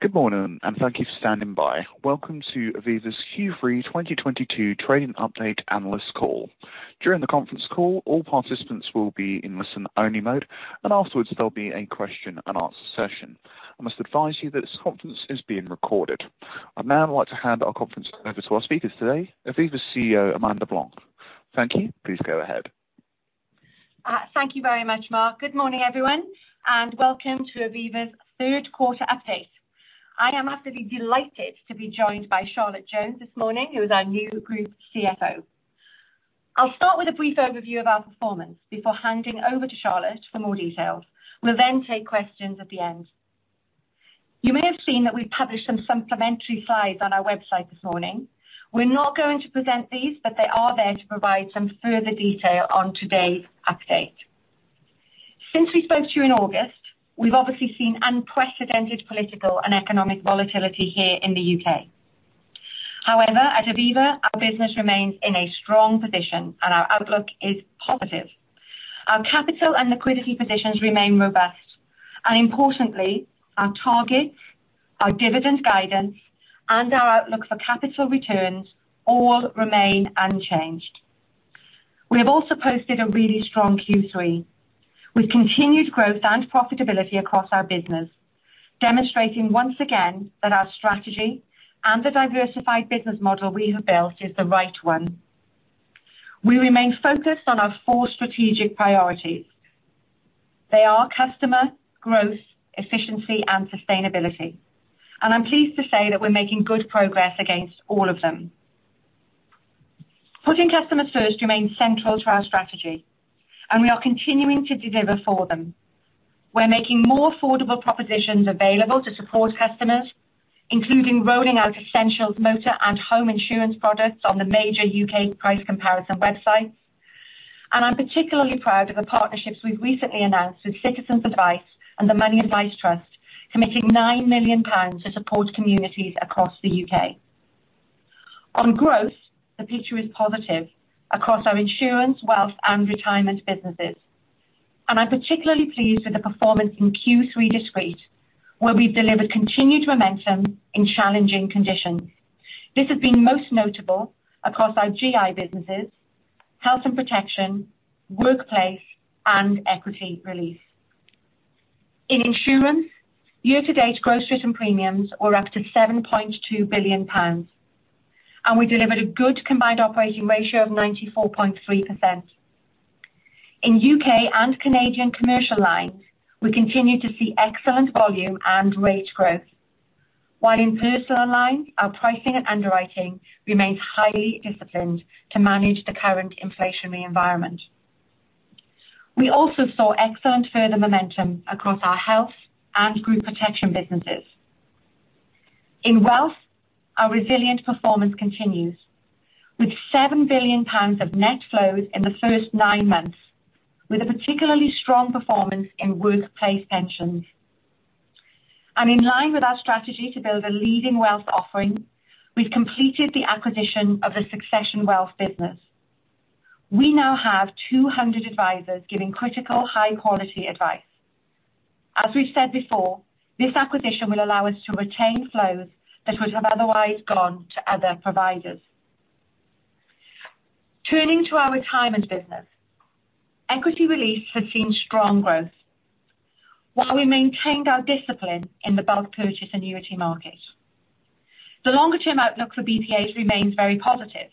Good morning, and thank you for standing by. Welcome to Aviva's Q3 2022 Trading Update analyst call. During the conference call, all participants will be in listen-only mode, and afterwards there'll be a question and answer session. I must advise you that this conference is being recorded. I'd now like to hand our conference over to our speakers today, Aviva's CEO, Amanda Blanc. Thank you. Please go ahead. Thank you very much, Mark. Good morning, everyone, and welcome to Aviva's third quarter update. I am absolutely delighted to be joined by Charlotte Jones this morning, who is our new group CFO. I'll start with a brief overview of our performance before handing over to Charlotte for more details. We'll then take questions at the end. You may have seen that we published some supplementary slides on our website this morning. We're not going to present these, but they are there to provide some further detail on today's update. Since we spoke to you in August, we've obviously seen unprecedented political and economic volatility here in the U.K. However, at Aviva, our business remains in a strong position, and our outlook is positive. Our capital and liquidity positions remain robust, and importantly, our targets, our dividend guidance, and our outlook for capital returns all remain unchanged. We have also posted a really strong Q3 with continued growth and profitability across our business, demonstrating once again that our strategy and the diversified business model we have built is the right one. We remain focused on our four strategic priorities. They are customer, growth, efficiency, and sustainability. I'm pleased to say that we're making good progress against all of them. Putting customers first remains central to our strategy, and we are continuing to deliver for them. We're making more affordable propositions available to support customers, including rolling out essentials motor and home insurance products on the major UK price comparison websites. I'm particularly proud of the partnerships we've recently announced with Citizens Advice and the Money Advice Trust, committing nine million pounds to support communities across the UK. On growth, the picture is positive across our insurance, wealth, and retirement businesses. I'm particularly pleased with the performance in Q3 despite, where we've delivered continued momentum in challenging conditions. This has been most notable across our GI businesses, health and protection, workplace, and equity release. In insurance, year-to-date gross written premiums were up to 7.2 billion pounds, and we delivered a good combined operating ratio of 94.3%. In UK and Canadian commercial lines, we continue to see excellent volume and rate growth. While in personal lines, our pricing and underwriting remains highly disciplined to manage the current inflationary environment. We also saw excellent further momentum across our health and group protection businesses. In wealth, our resilient performance continues, with 7 billion pounds of net flows in the first nine months, with a particularly strong performance in workplace pensions. In line with our strategy to build a leading wealth offering, we've completed the acquisition of the Succession Wealth business. We now have 200 advisors giving critical high-quality advice. As we've said before, this acquisition will allow us to retain flows that would have otherwise gone to other providers. Turning to our retirement business, equity release has seen strong growth while we maintained our discipline in the bulk purchase annuity market. The longer-term outlook for BPAs remains very positive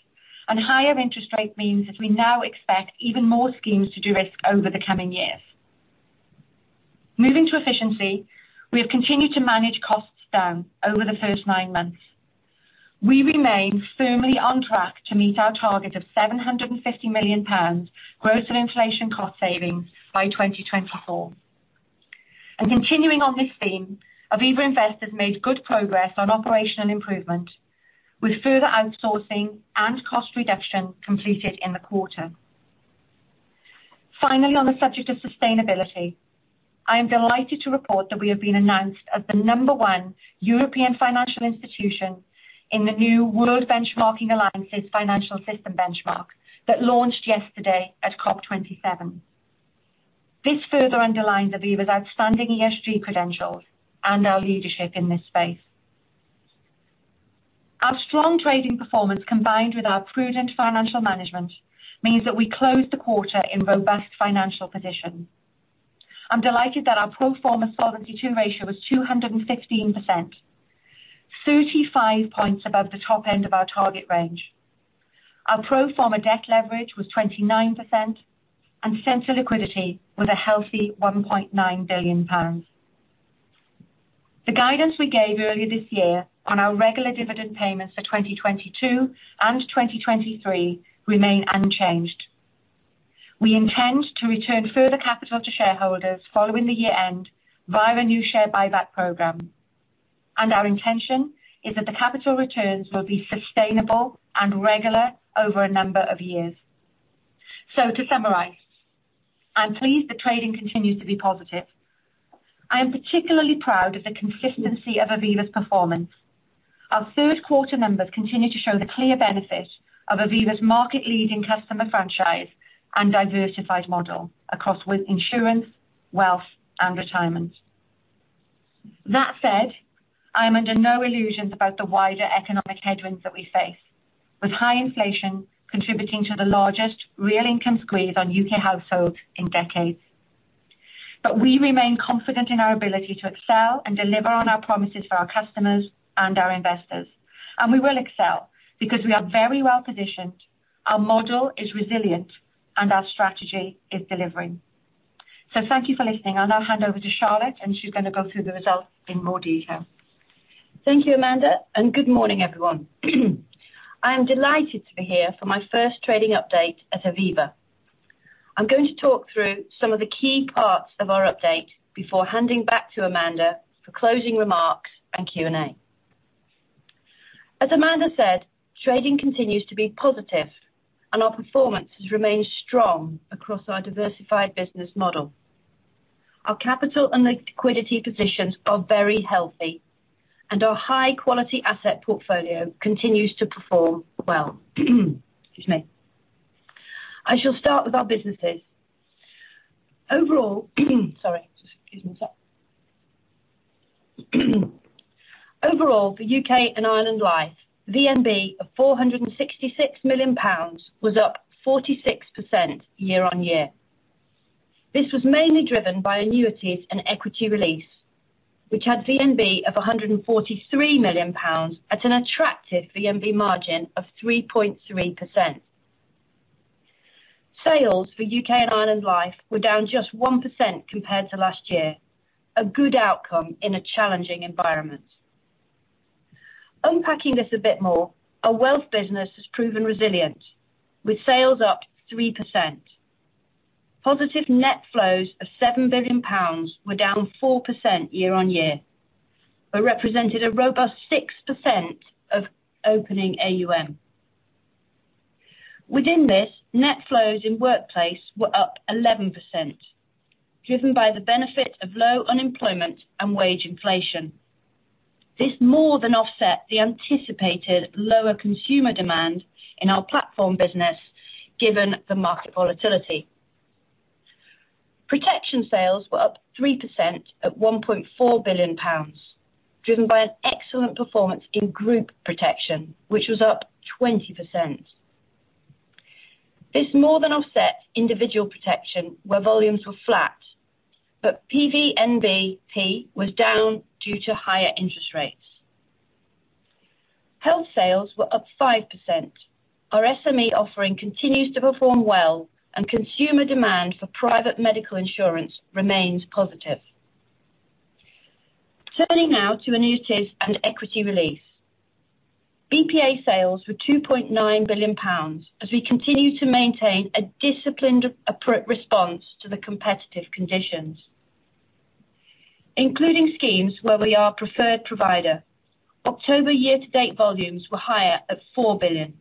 and higher interest rate means that we now expect even more schemes to derisk over the coming years. Moving to efficiency, we have continued to manage costs down over the first nine months. We remain firmly on track to meet our target of 750 million pounds gross and inflation cost savings by 2024. Continuing on this theme, Aviva Investors made good progress on operational improvement with further outsourcing and cost reduction completed in the quarter. Finally, on the subject of sustainability, I am delighted to report that we have been announced as the number one European financial institution in the new World Benchmarking Alliance's financial system benchmark that launched yesterday at COP 27. This further underlines Aviva's outstanding ESG credentials and our leadership in this space. Our strong trading performance, combined with our prudent financial management, means that we closed the quarter in robust financial position. I'm delighted that our pro forma Solvency II ratio was 216%, 35 points above the top end of our target range. Our pro forma debt leverage was 29%, and central liquidity was a healthy 1.9 billion pounds. The guidance we gave earlier this year on our regular dividend payments for 2022 and 2023 remain unchanged. We intend to return further capital to shareholders following the year-end via a new share buyback program. Our intention is that the capital returns will be sustainable and regular over a number of years. To summarize, I'm pleased that trading continues to be positive. I am particularly proud of the consistency of Aviva's performance. Our third quarter numbers continue to show the clear benefit of Aviva's market leading customer franchise and diversified model across insurance, wealth, and retirement. That said, I'm under no illusions about the wider economic headwinds that we face, with high inflation contributing to the largest real income squeeze on U.K. households in decades. We remain confident in our ability to excel and deliver on our promises for our customers and our investors. We will excel because we are very well positioned, our model is resilient, and our strategy is delivering. Thank you for listening. I'll now hand over to Charlotte, and she's gonna go through the results in more detail. Thank you, Amanda, and good morning, everyone. I am delighted to be here for my first trading update at Aviva. I'm going to talk through some of the key parts of our update before handing back to Amanda for closing remarks and Q&A. As Amanda said, trading continues to be positive and our performance has remained strong across our diversified business model. Our capital and liquidity positions are very healthy, and our high-quality asset portfolio continues to perform well. I shall start with our businesses. Overall, for UK and Ireland Life, VNB of 466 million pounds was up 46% year-on-year. This was mainly driven by annuities and equity release, which had VNB of 143 million pounds at an attractive VNB margin of 3.3%. Sales for UK and Ireland Life were down just 1% compared to last year, a good outcome in a challenging environment. Unpacking this a bit more, our wealth business has proven resilient, with sales up 3%. Positive net flows of seven billion pounds were down 4% year on year, but represented a robust 6% of opening AUM. Within this, net flows in workplace were up 11%, driven by the benefit of low unemployment and wage inflation. This more than offset the anticipated lower consumer demand in our platform business given the market volatility. Protection sales were up 3% at 1.4 billion pounds, driven by an excellent performance in group protection, which was up 20%. This more than offset individual protection, where volumes were flat, but PVNBP was down due to higher interest rates. Health sales were up 5%. Our SME offering continues to perform well, and consumer demand for private medical insurance remains positive. Turning now to annuities and equity release. BPA sales were 2.9 billion pounds as we continue to maintain a disciplined response to the competitive conditions. Including schemes where we are preferred provider, October year to date volumes were higher at four billion.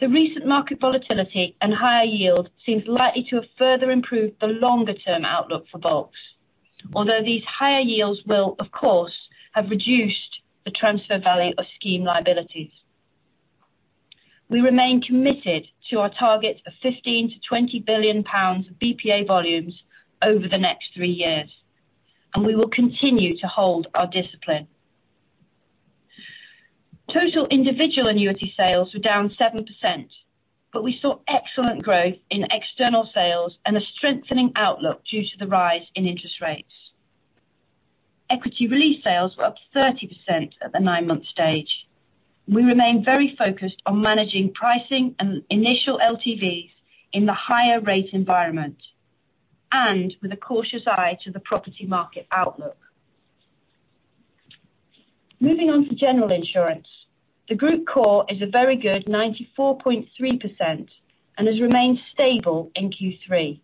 The recent market volatility and higher yield seems likely to have further improved the longer term outlook for volumes, although these higher yields will, of course, have reduced the transfer value of scheme liabilities. We remain committed to our target of 15 billion-20 billion pounds of BPA volumes over the next three years, and we will continue to hold our discipline. Total individual annuity sales were down 7%, but we saw excellent growth in external sales and a strengthening outlook due to the rise in interest rates. Equity release sales were up 30% at the nine-month stage. We remain very focused on managing pricing and initial LTVs in the higher rate environment and with a cautious eye to the property market outlook. Moving on to general insurance. The group COR is a very good 94.3% and has remained stable in Q3.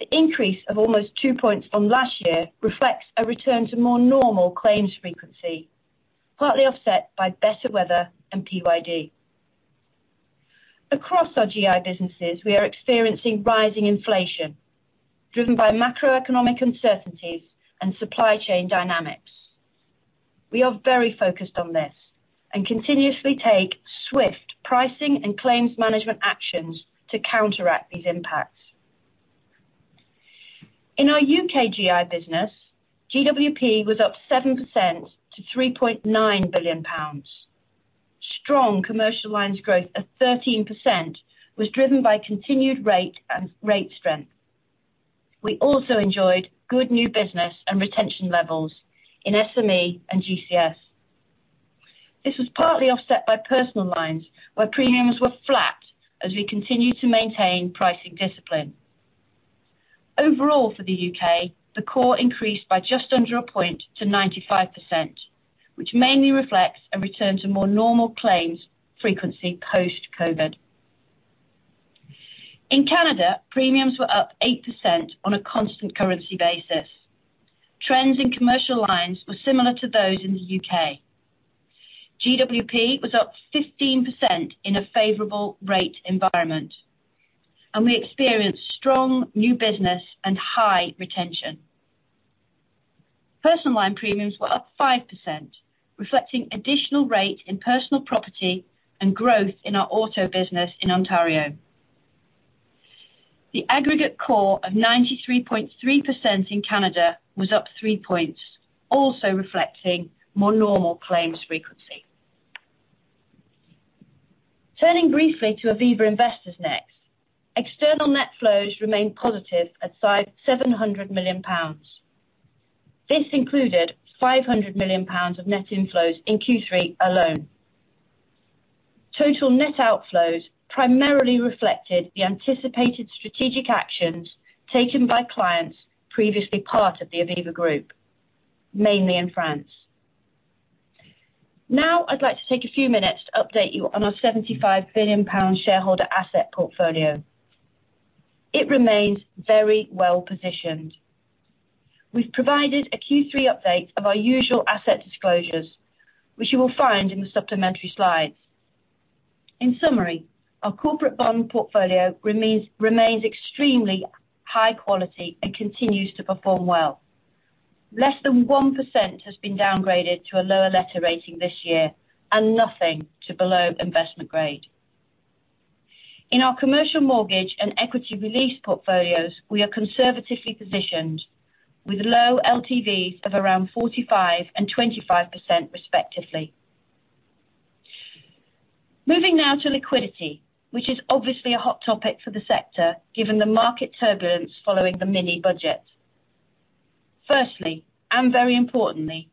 The increase of almost two points from last year reflects a return to more normal claims frequency, partly offset by better weather and PYD. Across our GI businesses, we are experiencing rising inflation driven by macroeconomic uncertainties and supply chain dynamics. We are very focused on this and continuously take swift pricing and claims management actions to counteract these impacts. In our U.K. GI business, GWP was up 7% to 3.9 billion pounds. Strong commercial lines growth of 13% was driven by continued rate and rate strength. We also enjoyed good new business and retention levels in SME and GCS. This was partly offset by personal lines, where premiums were flat as we continue to maintain pricing discipline. Overall for the UK, the COR increased by just under a point to 95%, which mainly reflects a return to more normal claims frequency post-COVID. In Canada, premiums were up 8% on a constant currency basis. Trends in commercial lines were similar to those in the UK. GWP was up 15% in a favorable rate environment. We experienced strong new business and high retention. Personal line premiums were up 5%, reflecting additional rate in personal property and growth in our auto business in Ontario. The aggregate COR of 93.3% in Canada was up three points, also reflecting more normal claims frequency. Turning briefly to Aviva Investors next. External net flows remained positive at 570 million pounds. This included 500 million pounds of net inflows in Q3 alone. Total net outflows primarily reflected the anticipated strategic actions taken by clients previously part of the Aviva Group, mainly in France. Now, I'd like to take a few minutes to update you on our 75 billion pound shareholder asset portfolio. It remains very well positioned. We've provided a Q3 update of our usual asset disclosures, which you will find in the supplementary slides. In summary, our corporate bond portfolio remains extremely high quality and continues to perform well. Less than 1% has been downgraded to a lower letter rating this year, and nothing to below investment grade. In our commercial mortgage and equity release portfolios, we are conservatively positioned with low LTVs of around 45% and 25% respectively. Moving now to liquidity, which is obviously a hot topic for the sector, given the market turbulence following the mini-Budget. Firstly, and very importantly,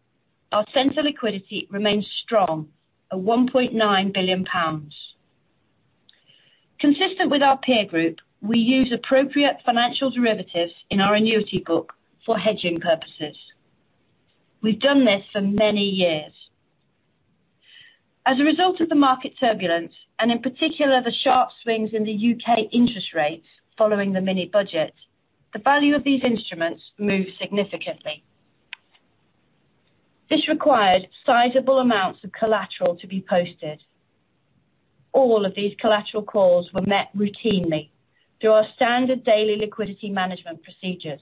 our central liquidity remains strong at 1.9 billion pounds. Consistent with our peer group, we use appropriate financial derivatives in our annuity book for hedging purposes. We've done this for many years. As a result of the market turbulence, and in particular, the sharp swings in the U.K. interest rates following the mini-Budget, the value of these instruments moved significantly. This required sizable amounts of collateral to be posted. All of these collateral calls were met routinely through our standard daily liquidity management procedures.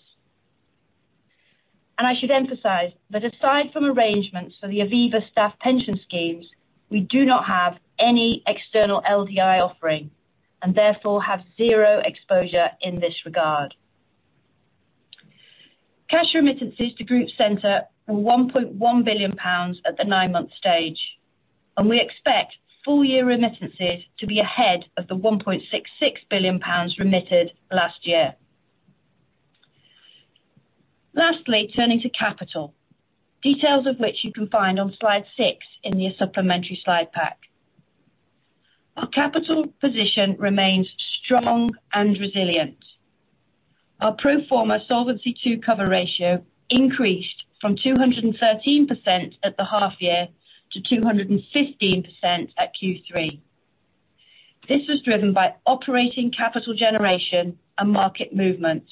I should emphasize that aside from arrangements for the Aviva staff pension schemes, we do not have any external LDI offering, and therefore have zero exposure in this regard. Cash remittances to group center were 1.1 billion pounds at the nine month stage, and we expect full-year remittances to be ahead of the 1.66 billion pounds remitted last year. Lastly, turning to capital, details of which you can find on slide six in your supplementary slide pack. Our capital position remains strong and resilient. Our pro forma Solvency II cover ratio increased from 213% at the half year to 215% at Q3. This was driven by operating capital generation and market movements,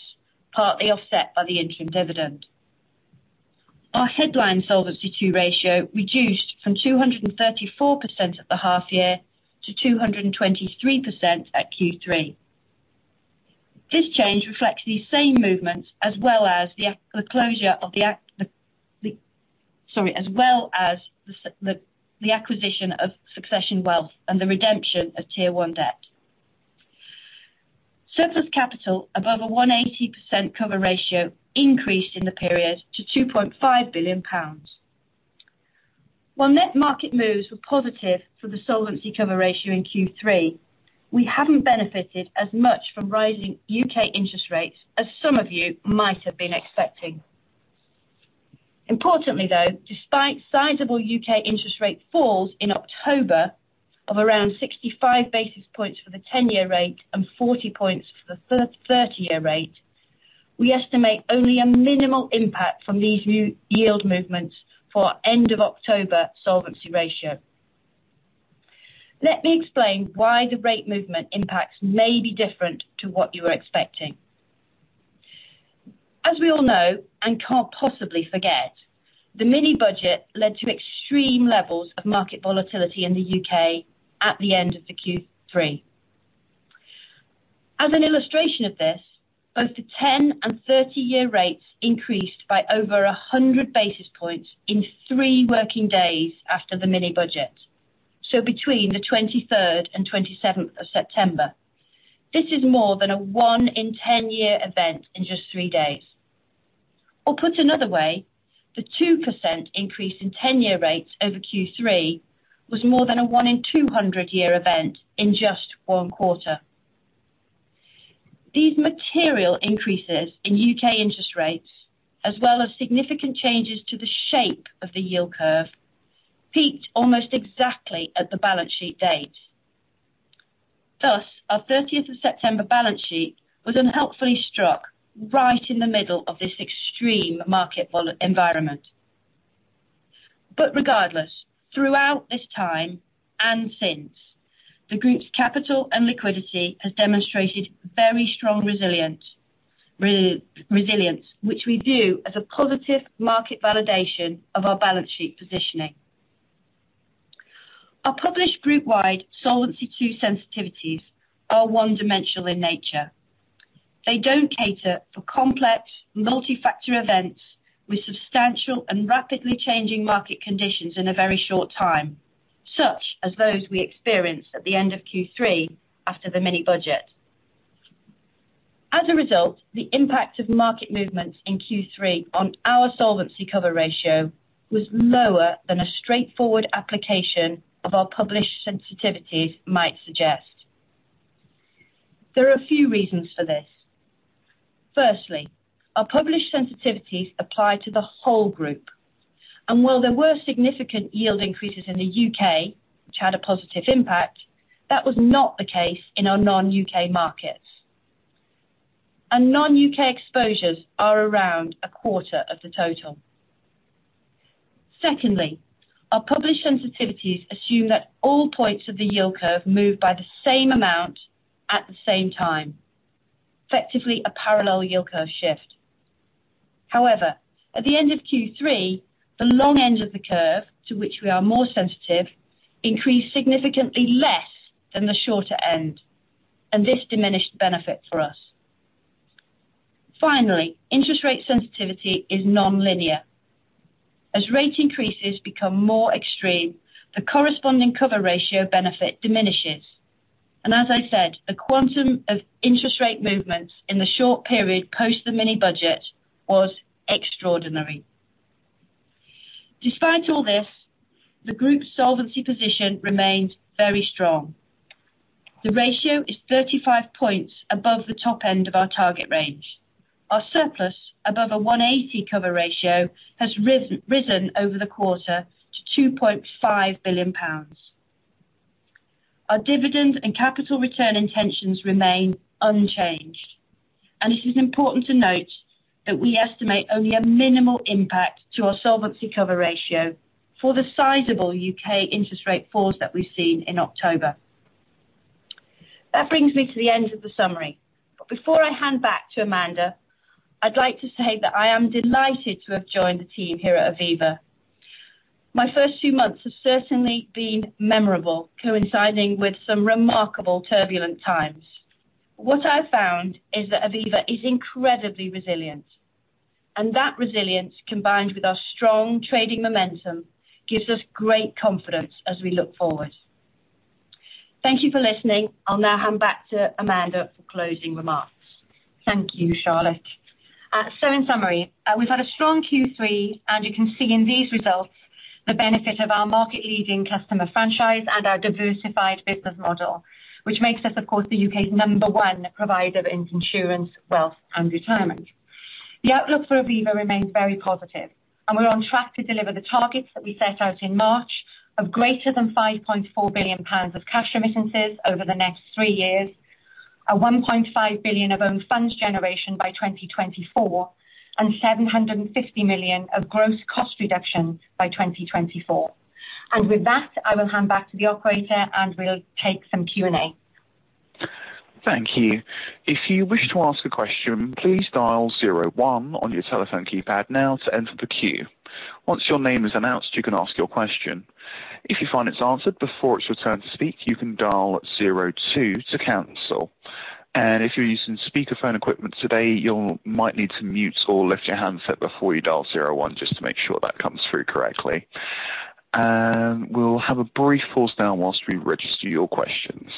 partly offset by the interim dividend. Our headline Solvency II ratio reduced from 234% at the half year to 223% at Q3. This change reflects these same movements as well as the closure of the. Sorry. As well as the acquisition of Succession Wealth and the redemption of Tier one debt. Surplus capital above a 180% cover ratio increased in the period to 2.5 billion pounds. While net market moves were positive for the solvency cover ratio in Q3, we haven't benefited as much from rising UK interest rates as some of you might have been expecting. Importantly, though, despite sizable UK interest rate falls in October of around 65 basis points for the 10-year rate and 40 points for the 30-year rate, we estimate only a minimal impact from these new yield movements for our end of October solvency ratio. Let me explain why the rate movement impacts may be different to what you were expecting. As we all know, and can't possibly forget, the mini-budget led to extreme levels of market volatility in the UK at the end of the Q3. As an illustration of this, both the 10- and 30-year rates increased by over 100 basis points in three working days after the mini-budget. Between the 23rd and 27th of September. This is more than a one in 10-year event in just three days. Or put another way, the 2% increase in 10-year rates over Q3 was more than a one in 200-year event in just one quarter. These material increases in UK interest rates, as well as significant changes to the shape of the yield curve, peaked almost exactly at the balance sheet date. Thus, our 30th of September balance sheet was unhelpfully struck right in the middle of this extreme market volatility environment. Regardless, throughout this time and since, the group's capital and liquidity has demonstrated very strong resilience. Resilience, which we view as a positive market validation of our balance sheet positioning. Our published group-wide Solvency II sensitivities are one-dimensional in nature. They don't cater for complex multifactor events with substantial and rapidly changing market conditions in a very short time, such as those we experienced at the end of Q3 after the mini-Budget. As a result, the impact of market movements in Q3 on our solvency cover ratio was lower than a straightforward application of our published sensitivities might suggest. There are a few reasons for this. Firstly, our published sensitivities apply to the whole group, and while there were significant yield increases in the UK, which had a positive impact, that was not the case in our non-UK markets. Our non-UK exposures are around a quarter of the total. Secondly, our published sensitivities assume that all points of the yield curve move by the same amount at the same time, effectively a parallel yield curve shift. However, at the end of Q3, the long end of the curve to which we are more sensitive increased significantly less than the shorter end, and this diminished the benefit for us. Finally, interest rate sensitivity is non-linear. As rate increases become more extreme, the corresponding cover ratio benefit diminishes. As I said, the quantum of interest rate movements in the short period post the mini-Budget was extraordinary. Despite all this, the group's solvency position remained very strong. The ratio is 35 points above the top end of our target range. Our surplus above a 180 cover ratio has risen over the quarter to 2.5 billion pounds. Our dividend and capital return intentions remain unchanged, and it is important to note that we estimate only a minimal impact to our solvency cover ratio for the sizable U.K. interest rate falls that we've seen in October. That brings me to the end of the summary. Before I hand back to Amanda, I'd like to say that I am delighted to have joined the team here at Aviva. My first few months have certainly been memorable, coinciding with some remarkable turbulent times. What I found is that Aviva is incredibly resilient, and that resilience, combined with our strong trading momentum, gives us great confidence as we look forward. Thank you for listening. I'll now hand back to Amanda for closing remarks. Thank you, Charlotte. So in summary, we've had a strong Q3, and you can see in these results the benefit of our market leading customer franchise and our diversified business model, which makes us, of course, the U.K.'s number one provider in insurance, wealth and retirement. The outlook for Aviva remains very positive, and we're on track to deliver the targets that we set out in March of greater than 5.4 billion pounds of cash remittances over the next three years, 1.5 billion of own funds generation by 2024, and 750 million of gross cost reductions by 2024. With that, I will hand back to the operator, and we'll take some Q&A. Thank you. If you wish to ask a question, please dial zero one on your telephone keypad now to enter the queue. Once your name is announced, you can ask your question. If you find it's answered before it's your turn to speak, you can dial zero two to cancel. If you're using speakerphone equipment today, you might need to mute or lift your handset before you dial zero one just to make sure that comes through correctly. We'll have a brief pause now while we register your questions.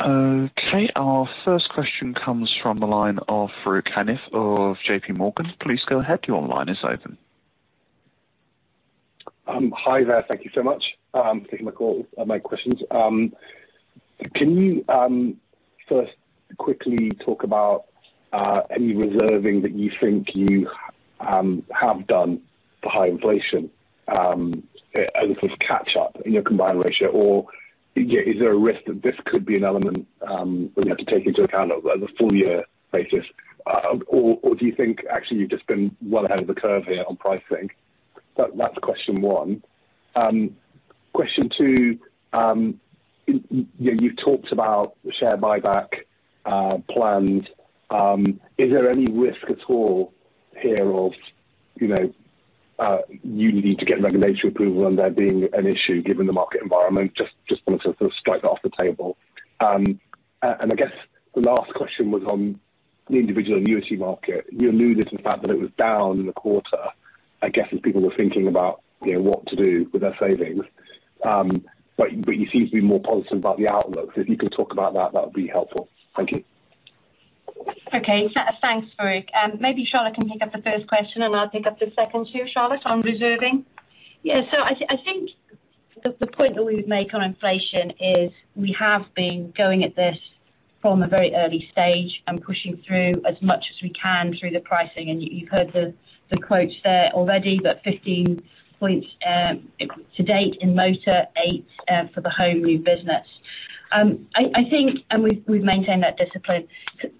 Okay, our first question comes from the line of Farooq Hanif of J.P. Morgan. Please go ahead. Your line is open. Hi there. Thank you so much for taking my call and my questions. Can you first quickly talk about any reserving that you think you have done for high inflation as a sort of catch up in your combined ratio? Or yeah is there a risk that this could be an element that you have to take into account over the full year basis? Or do you think actually you've just been well ahead of the curve here on pricing? That's question one. Question two. You've talked about share buyback plans. Is there any risk at all here of you know you need to get regulatory approval and there being an issue given the market environment? Just wanted to sort of strike that off the table. I guess the last question was on the individual annuity market. You alluded to the fact that it was down in the quarter. I guess as people were thinking about, you know, what to do with their savings, but you seem to be more positive about the outlook. If you can talk about that would be helpful. Thank you. Okay. Thanks, Farooq. Maybe Charlotte can pick up the first question and I'll pick up the second two. Charlotte, on reserving. Yeah. I think the point that we would make on inflation is we have been going at this from a very early stage and pushing through as much as we can through the pricing. You've heard the quotes there already, but 15 points to date in motor, eight for the home new business. I think, and we've maintained that discipline.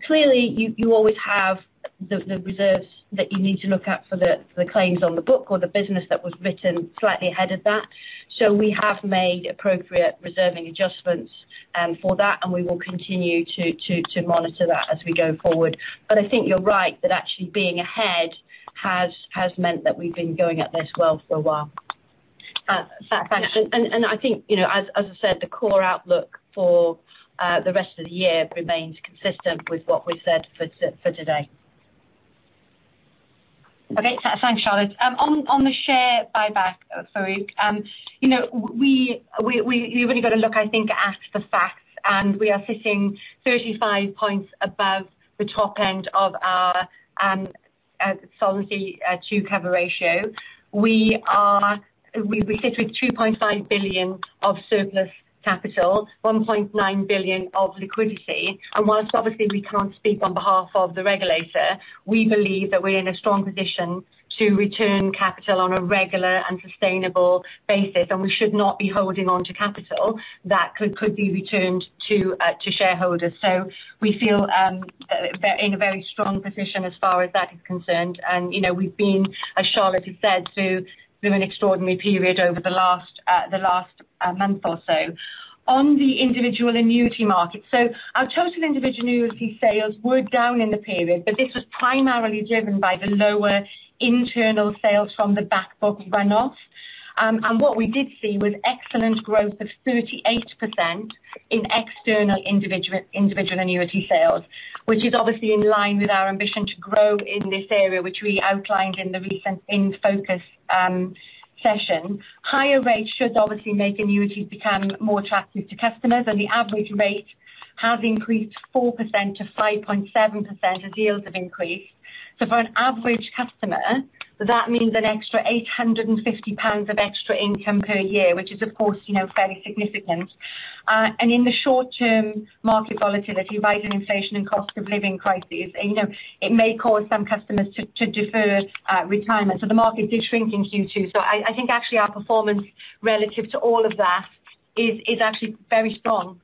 Clearly, you always have the reserves that you need to look at for the claims on the book or the business that was written slightly ahead of that. We have made appropriate reserving adjustments for that, and we will continue to monitor that as we go forward. I think you're right, that actually being ahead has meant that we've been going at this well for a while. Thanks. I think, you know, as I said, the COR outlook for the rest of the year remains consistent with what we said for today. Okay. Thanks, Charlotte. On the share buyback. Sorry. You know, we really got to look, I think, at the facts, and we are sitting 35 points above the top end of our Solvency II cover ratio. We sit with 2.5 billion of surplus capital, 1.9 billion of liquidity. While obviously we can't speak on behalf of the regulator, we believe that we're in a strong position to return capital on a regular and sustainable basis, and we should not be holding on to capital that could be returned to shareholders. We feel we're in a very strong position as far as that is concerned. You know, we've been, as Charlotte has said, through an extraordinary period over the last month or so on the individual annuity market. Our total individual annuity sales were down in the period, but this was primarily driven by the lower internal sales from the back book run-off. What we did see was excellent growth of 38% in external individual annuity sales, which is obviously in line with our ambition to grow in this area, which we outlined in the recent in-focus session. Higher rates should obviously make annuities become more attractive to customers, and the average rate has increased 4% to 5.7% as yields have increased. For an average customer, that means an extra 850 pounds of extra income per year, which is of course, you know, fairly significant. In the short term, market volatility, rising inflation and cost of living crisis, you know, it may cause some customers to defer retirement. The market did shrink in Q2. I think actually our performance relative to all of that is actually very strong.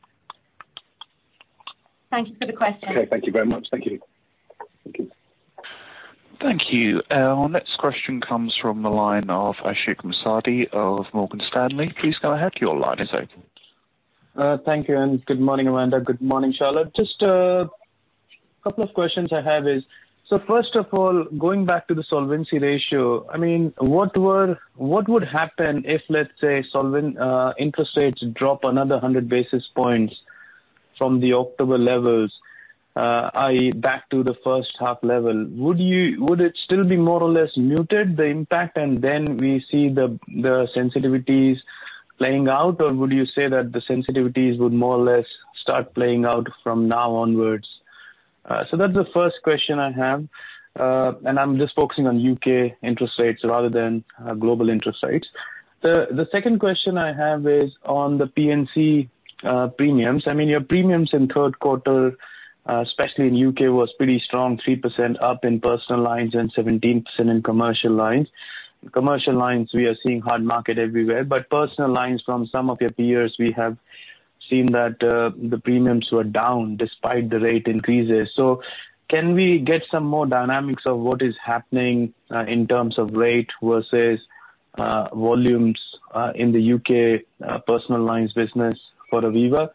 Thank you for the question. Okay. Thank you very much. Thank you. Thank you. Thank you. Our next question comes from the line of Ashik Musaddi of Morgan Stanley. Please go ahead. Your line is open. Thank you, and good morning, Amanda. Good morning, Charlotte. Just a couple of questions I have is, so first of all, going back to the Solvency II ratio, I mean, what would happen if, let's say, interest rates drop another 100 basis points from the October levels, i.e., back to the first half level? Would it still be more or less muted, the impact, and then we see the sensitivities playing out? Or would you say that the sensitivities would more or less start playing out from now onwards? So that's the first question I have. I'm just focusing on U.K. interest rates rather than global interest rates. The second question I have is on the P&C premiums. I mean, your premiums in third quarter, especially in the U.K., was pretty strong, 3% up in personal lines and 17% in commercial lines. Commercial lines, we are seeing hard market everywhere. Personal lines from some of your peers, we have seen that the premiums were down despite the rate increases. Can we get some more dynamics of what is happening in terms of rate versus volumes in the U.K. personal lines business for Aviva?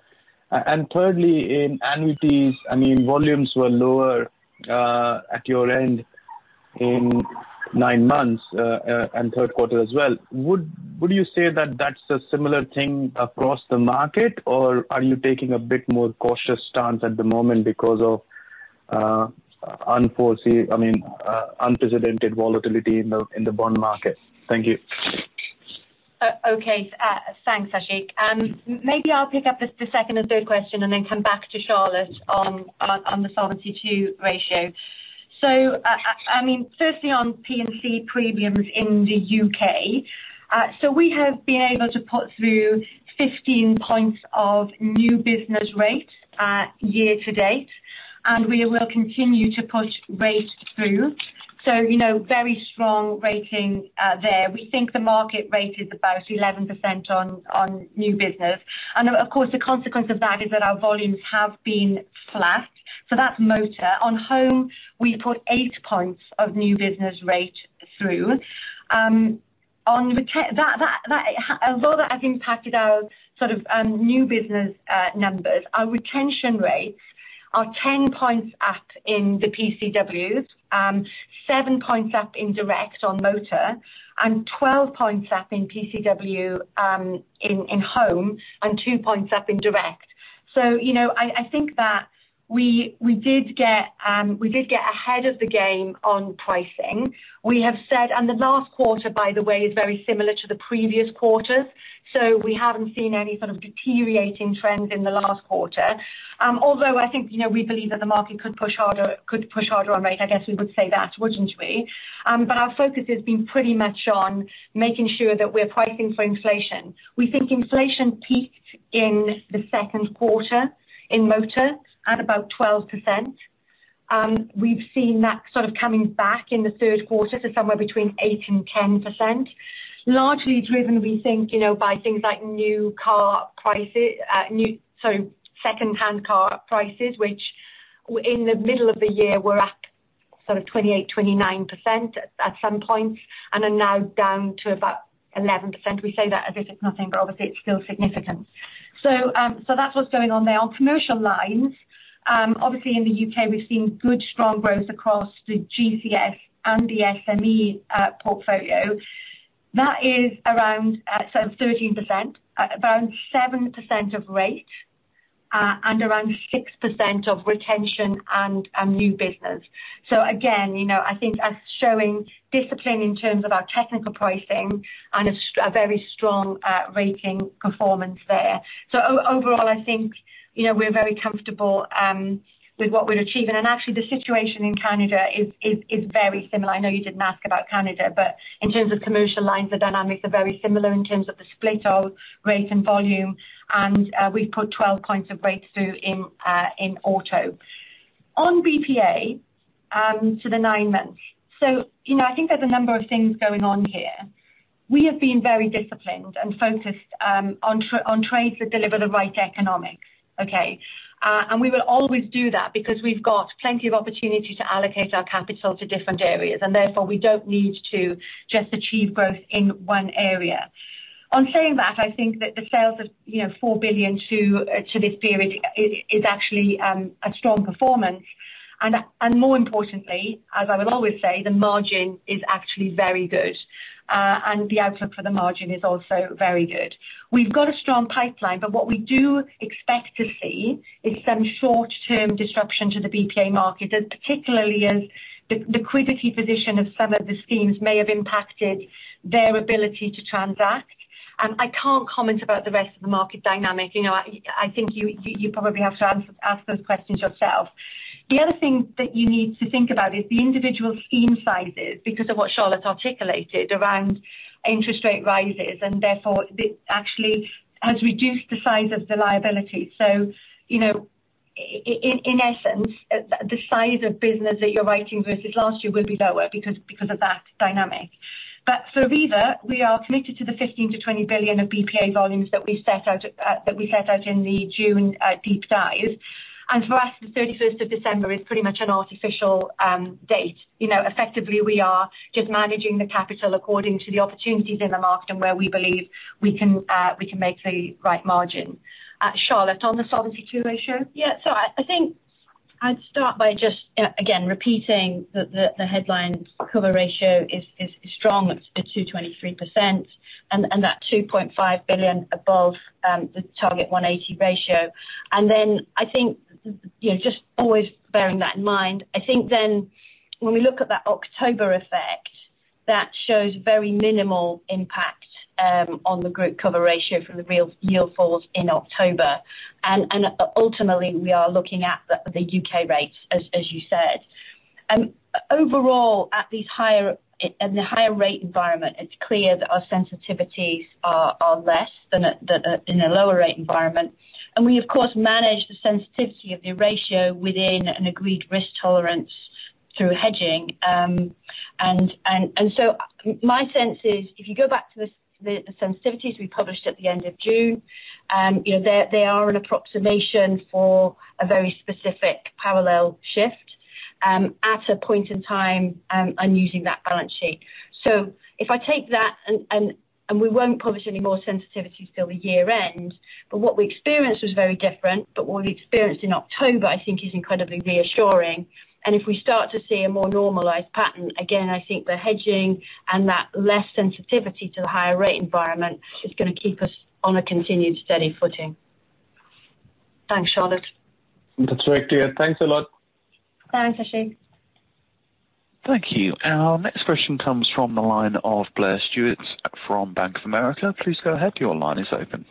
Thirdly, in annuities, I mean, volumes were lower at your end in nine months and third quarter as well. Would you say that that's a similar thing across the market, or are you taking a bit more cautious stance at the moment because of I mean, unprecedented volatility in the bond market? Thank you. Thanks, Ashik. Maybe I'll pick up the second and third question and then come back to Charlotte on the Solvency II ratio. I mean, firstly on P&C premiums in the UK. We have been able to put through 15 points of new business rate year to date, and we will continue to push rates through. You know, very strong rating there. We think the market rate is about 11% on new business. And of course, the consequence of that is that our volumes have been flat. That's motor. On home, we put 8 points of new business rate through. Although that has impacted our sort of new business numbers, our retention rates are 10% up in the PCWs, 7% up in direct on motor, and 12% up in PCW in home, and 2% up in direct. You know, I think that we did get ahead of the game on pricing. We have said. The last quarter, by the way, is very similar to the previous quarters, so we haven't seen any sort of deteriorating trends in the last quarter. Although I think, you know, we believe that the market could push harder on rate, I guess we would say that, wouldn't we? But our focus has been pretty much on making sure that we're pricing for inflation. We think inflation peaked in the second quarter in motor at about 12%. We've seen that sort of coming back in the third quarter to somewhere between 8% and 10%. Largely driven, we think, you know, by things like second-hand car prices, which in the middle of the year were up sort of 28%-29% at some point, and are now down to about 11%. We say that as if it's nothing, but obviously it's still significant. That's what's going on there. On commercial lines, obviously in the UK we've seen good strong growth across the GCS and the SME portfolio. That is around 13%, around 7% of rate, and around 6% of retention and new business. Again, you know, I think that's showing discipline in terms of our technical pricing and a very strong rating performance there. Overall, I think, you know, we're very comfortable with what we're achieving. Actually, the situation in Canada is very similar. I know you didn't ask about Canada. In terms of commercial lines, the dynamics are very similar in terms of the split of rate and volume, and we've put 12 points of breakthrough in auto. On BPA to the nine months. You know, I think there's a number of things going on here. We have been very disciplined and focused on trades that deliver the right economics. Okay? We will always do that because we've got plenty of opportunity to allocate our capital to different areas, and therefore we don't need to just achieve growth in one area. On saying that, I think that the sales of, you know, four billion to this period is actually a strong performance. And more importantly, as I will always say, the margin is actually very good. And the outlook for the margin is also very good. We've got a strong pipeline, but what we do expect to see is some short-term disruption to the BPA market, as particularly as the liquidity position of some of the schemes may have impacted their ability to transact. I can't comment about the rest of the market dynamic. You know, I think you probably have to ask those questions yourself. The other thing that you need to think about is the individual scheme sizes because of what Charlotte articulated around interest rate rises, and therefore it actually has reduced the size of the liability. You know, in essence, the size of business that you're writing versus last year will be lower because of that dynamic. For Aviva, we are committed to the 15 billion-20 billion of BPA volumes that we set out in the June deep dive. For us, the thirty-first of December is pretty much an artificial date. You know, effectively we are just managing the capital according to the opportunities in the market and where we believe we can make the right margin. Charlotte, on the Solvency II ratio. Yeah. I think I'd start by just again repeating the headline cover ratio is strong. It's at 223%. That 2.5 billion above the target 180 ratio. I think, you know, just always bearing that in mind, I think then when we look at that October effect, that shows very minimal impact on the group cover ratio from the real yield falls in October. Ultimately, we are looking at the UK rates as you said. Overall at these higher rate environment, it's clear that our sensitivities are less than in a lower rate environment. We of course manage the sensitivity of the ratio within an agreed risk tolerance through hedging. My sense is if you go back to the sensitivities we published at the end of June, you know, they are an approximation for a very specific parallel shift at a point in time and using that balance sheet. If I take that, we won't publish any more sensitivities till the year end, but what we experienced was very different. What we experienced in October I think is incredibly reassuring. If we start to see a more normalized pattern, again, I think the hedging and that less sensitivity to the higher rate environment is gonna keep us on a continued steady footing. Thanks, Charlotte. That's very clear. Thanks a lot. Thanks, Ashik. Thank you. Our next question comes from the line of Blair Stewart from Bank of America. Please go ahead. Your line is open.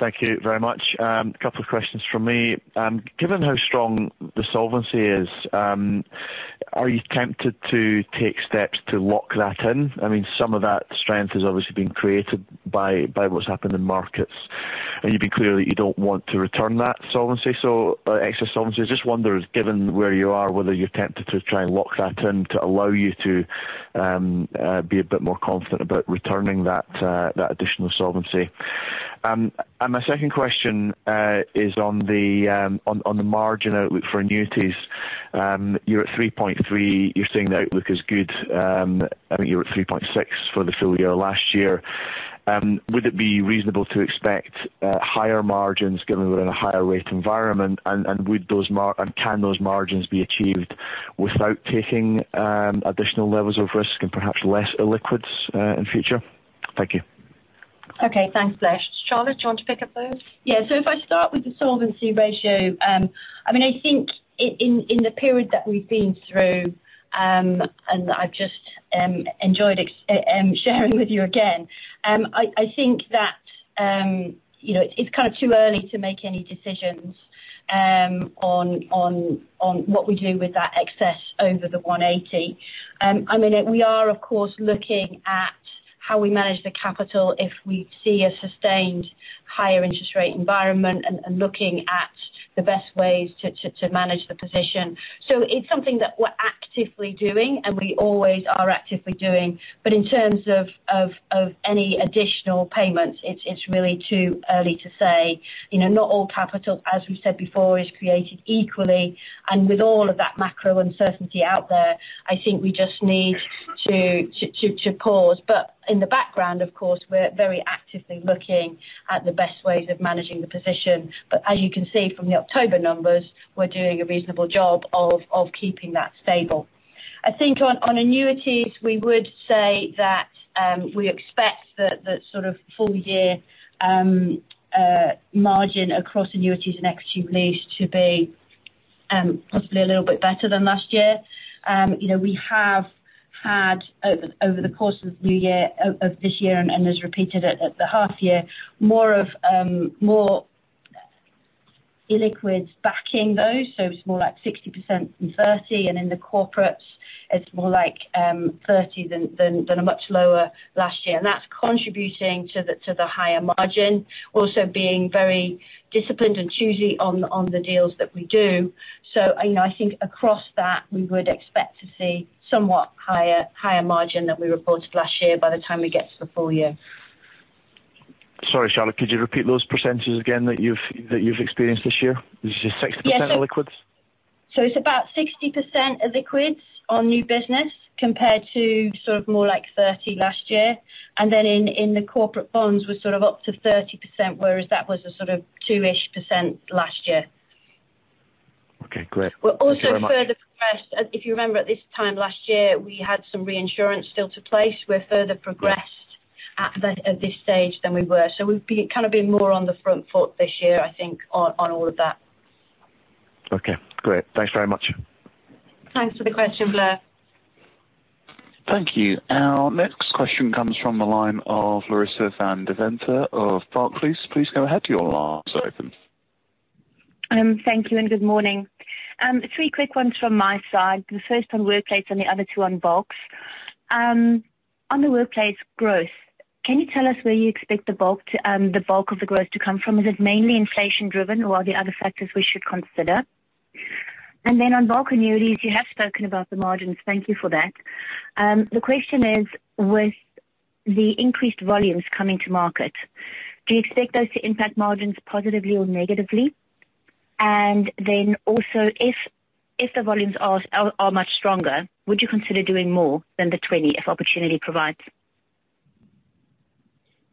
Thank you very much. A couple of questions from me. Given how strong the solvency is, are you tempted to take steps to lock that in? I mean, some of that strength has obviously been created by what's happened in markets. You've been clear that you don't want to return that solvency, excess solvency. I just wonder, given where you are, whether you're tempted to try and lock that in to allow you to be a bit more confident about returning that additional solvency. My second question is on the margin outlook for annuities. You're at 3.3%. You're saying the outlook is good. I think you were at 3.6% for the full year last year. Would it be reasonable to expect higher margins given we're in a higher rate environment? Can those margins be achieved without taking additional levels of risk and perhaps less illiquids in future? Thank you. Okay. Thanks, Blair. Charlotte, do you want to pick up those? Yeah. If I start with the solvency ratio, I mean, I think in the period that we've been through, and I've just enjoyed sharing with you again. I think that, you know, it's kind of too early to make any decisions on what we do with that excess over the 180. I mean, we are of course looking at how we manage the capital if we see a sustained higher interest rate environment and looking at the best ways to manage the position. It's something that we're actively doing, and we always are actively doing. In terms of any additional payments, it's really too early to say. You know, not all capital, as we said before, is created equally. With all of that macro uncertainty out there, I think we just need to pause. In the background, of course, we're very actively looking at the best ways of managing the position. As you can see from the October numbers, we're doing a reasonable job of keeping that stable. I think on annuities, we would say that we expect the sort of full year margin across annuities and equity release to be possibly a little bit better than last year. You know, we have had over the course of this year and as repeated at the half year, more illiquids backing those, so it's more like 60% than 30%, and in the corporates it's more like 30% than a much lower last year. That's contributing to the higher margin. Also being very disciplined and choosy on the deals that we do. You know, I think across that, we would expect to see somewhat higher margin than we reported last year by the time we get to the full year. Sorry, Charlotte, could you repeat those percentages again that you've experienced this year? Did you say 60% illiquids? It's about 60% illiquids on new business compared to sort of more like 30% last year. In the corporate bonds, we're sort of up to 30%, whereas that was a sort of 2%-ish last year. Okay, great. Thank you very much. We're also further progressed. If you remember at this time last year, we had some reinsurance still to place. We're further progressed. Yeah. At this stage than we were. We've kind of been more on the front foot this year, I think, on all of that. Okay, great. Thanks very much. Thanks for the question, Blair. Thank you. Our next question comes from the line of Larissa Van Deventer of Barclays. Please go ahead. Your line is open. Thank you and good morning. Three quick ones from my side. The first on Workplace and the other two on bulk. On the Workplace growth, can you tell us where you expect the bulk of the growth to come from? Is it mainly inflation driven or are there other factors we should consider? On bulk annuities, you have spoken about the margins. Thank you for that. The question is, with the increased volumes coming to market, do you expect those to impact margins positively or negatively? If the volumes are much stronger, would you consider doing more than the 20 if opportunity provides?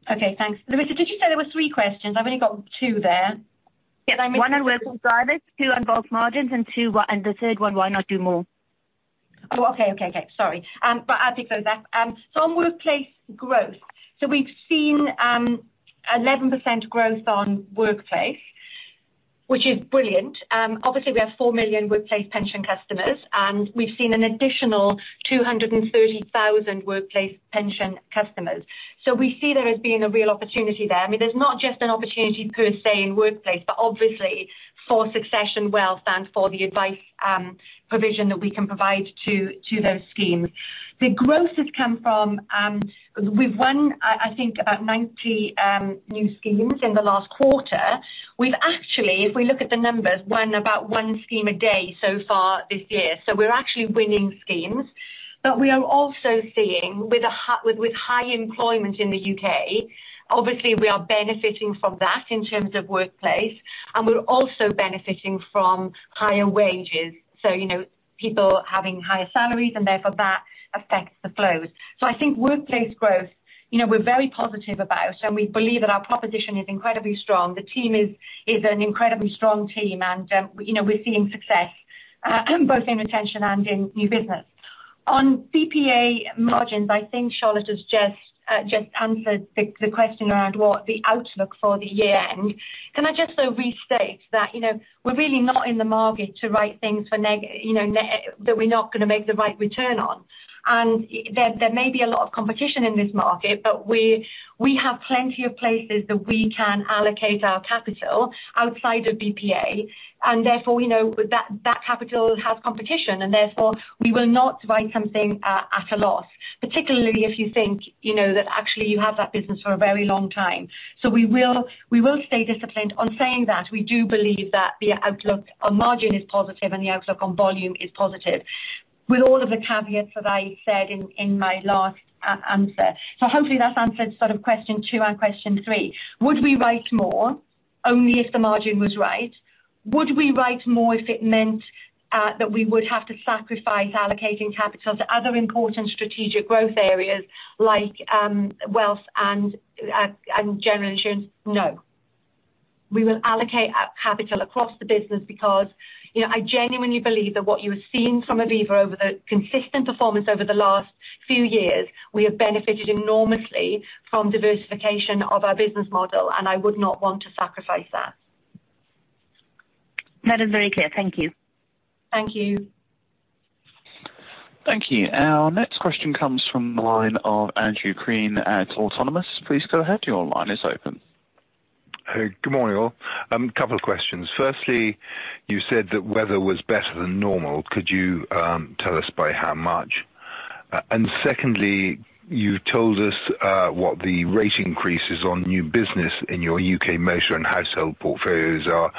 Okay, thanks. Larissa, did you say there were three questions? I've only got two there. Yeah. One on workplace drivers, two on bulk margins, and the third one, why not do more? Oh, okay. Sorry. I'll take those up. On Workplace growth. We've seen 11% growth on Workplace, which is brilliant. Obviously we have four million Workplace pension customers, and we've seen an additional 230,000 Workplace pension customers. We see there as being a real opportunity there. I mean, there's not just an opportunity per se in Workplace, but obviously for Succession Wealth and for the advice provision that we can provide to those schemes. The growth has come from, we've won, I think about 90 new schemes in the last quarter. We've actually, if we look at the numbers, won about one scheme a day so far this year. We're actually winning schemes. We are also seeing with high employment in the UK, obviously we are benefiting from that in terms of Workplace, and we're also benefiting from higher wages. You know, people having higher salaries and therefore that affects the flows. I think Workplace growth, you know, we're very positive about, and we believe that our proposition is incredibly strong. The team is an incredibly strong team and, you know, we're seeing success both in retention and in new business. On BPA margins, I think Charlotte has just answered the question around what the outlook for the year. Can I just, though, restate that, you know, we're really not in the market to write things for negative, you know, that we're not gonna make the right return on. There may be a lot of competition in this market, but we have plenty of places that we can allocate our capital outside of BPA. Therefore, we know that capital has competition and therefore we will not write something at a loss, particularly if you think, you know, that actually you have that business for a very long time. We will stay disciplined. On saying that, we do believe that the outlook on margin is positive and the outlook on volume is positive, with all of the caveats that I said in my last answer. Hopefully that's answered sort of question two and question three. Would we write more? Only if the margin was right. Would we write more if it meant that we would have to sacrifice allocating capital to other important strategic growth areas like wealth and and general insurance? No. We will allocate our capital across the business because, you know, I genuinely believe that what you have seen from Aviva over the consistent performance over the last few years, we have benefited enormously from diversification of our business model, and I would not want to sacrifice that. That is very clear. Thank you. Thank you. Thank you. Our next question comes from the line of Andrew Crean at Autonomous. Please go ahead. Your line is open. Hey, good morning, all. Couple of questions. Firstly, you said that weather was better than normal. Could you tell us by how much? And secondly, you told us what the rate increases on new business in your UK motor and household portfolios are.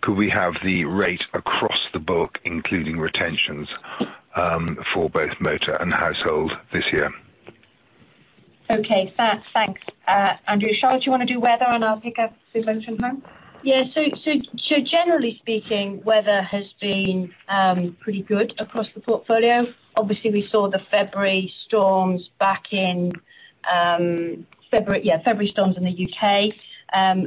Could we have the rate across the book, including retentions, for both motor and household this year? Okay. Thanks, Andrew. Charlotte, do you wanna do weather and I'll pick up Susan from home? Generally speaking, weather has been pretty good across the portfolio. Obviously, we saw the February storms back in February. February storms in the UK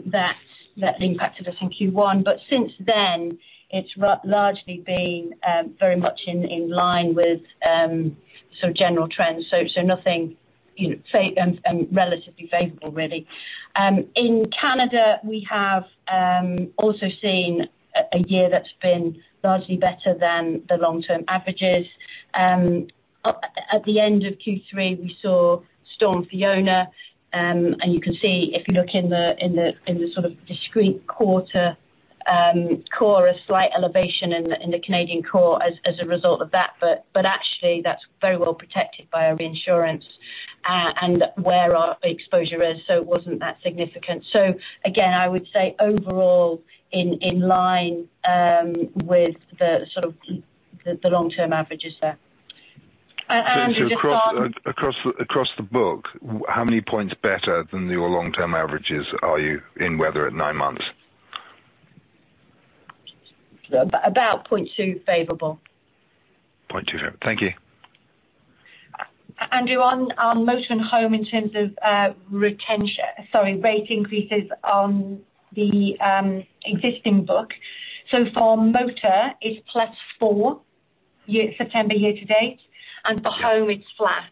that impacted us in Q1. But since then, it's largely been very much in line with sort of general trends. So nothing, you know, relatively favorable really. In Canada, we have also seen a year that's been largely better than the long-term averages. At the end of Q3, we saw Hurricane Fiona, and you can see if you look in the sort of discrete quarter, COR, a slight elevation in the Canadian COR as a result of that. Actually that's very well protected by our insurance, and where our exposure is, so it wasn't that significant. Again, I would say overall in line with the sort of long-term averages there. Andrew, just on- Across the book, how many points better than your long-term averages are you in weather at nine months? About 0.2 favorable. Point two. Thank you. Andrew, on motor and home in terms of rate increases on the existing book. For motor, it's +4% September year to date. Great. For home it's flat.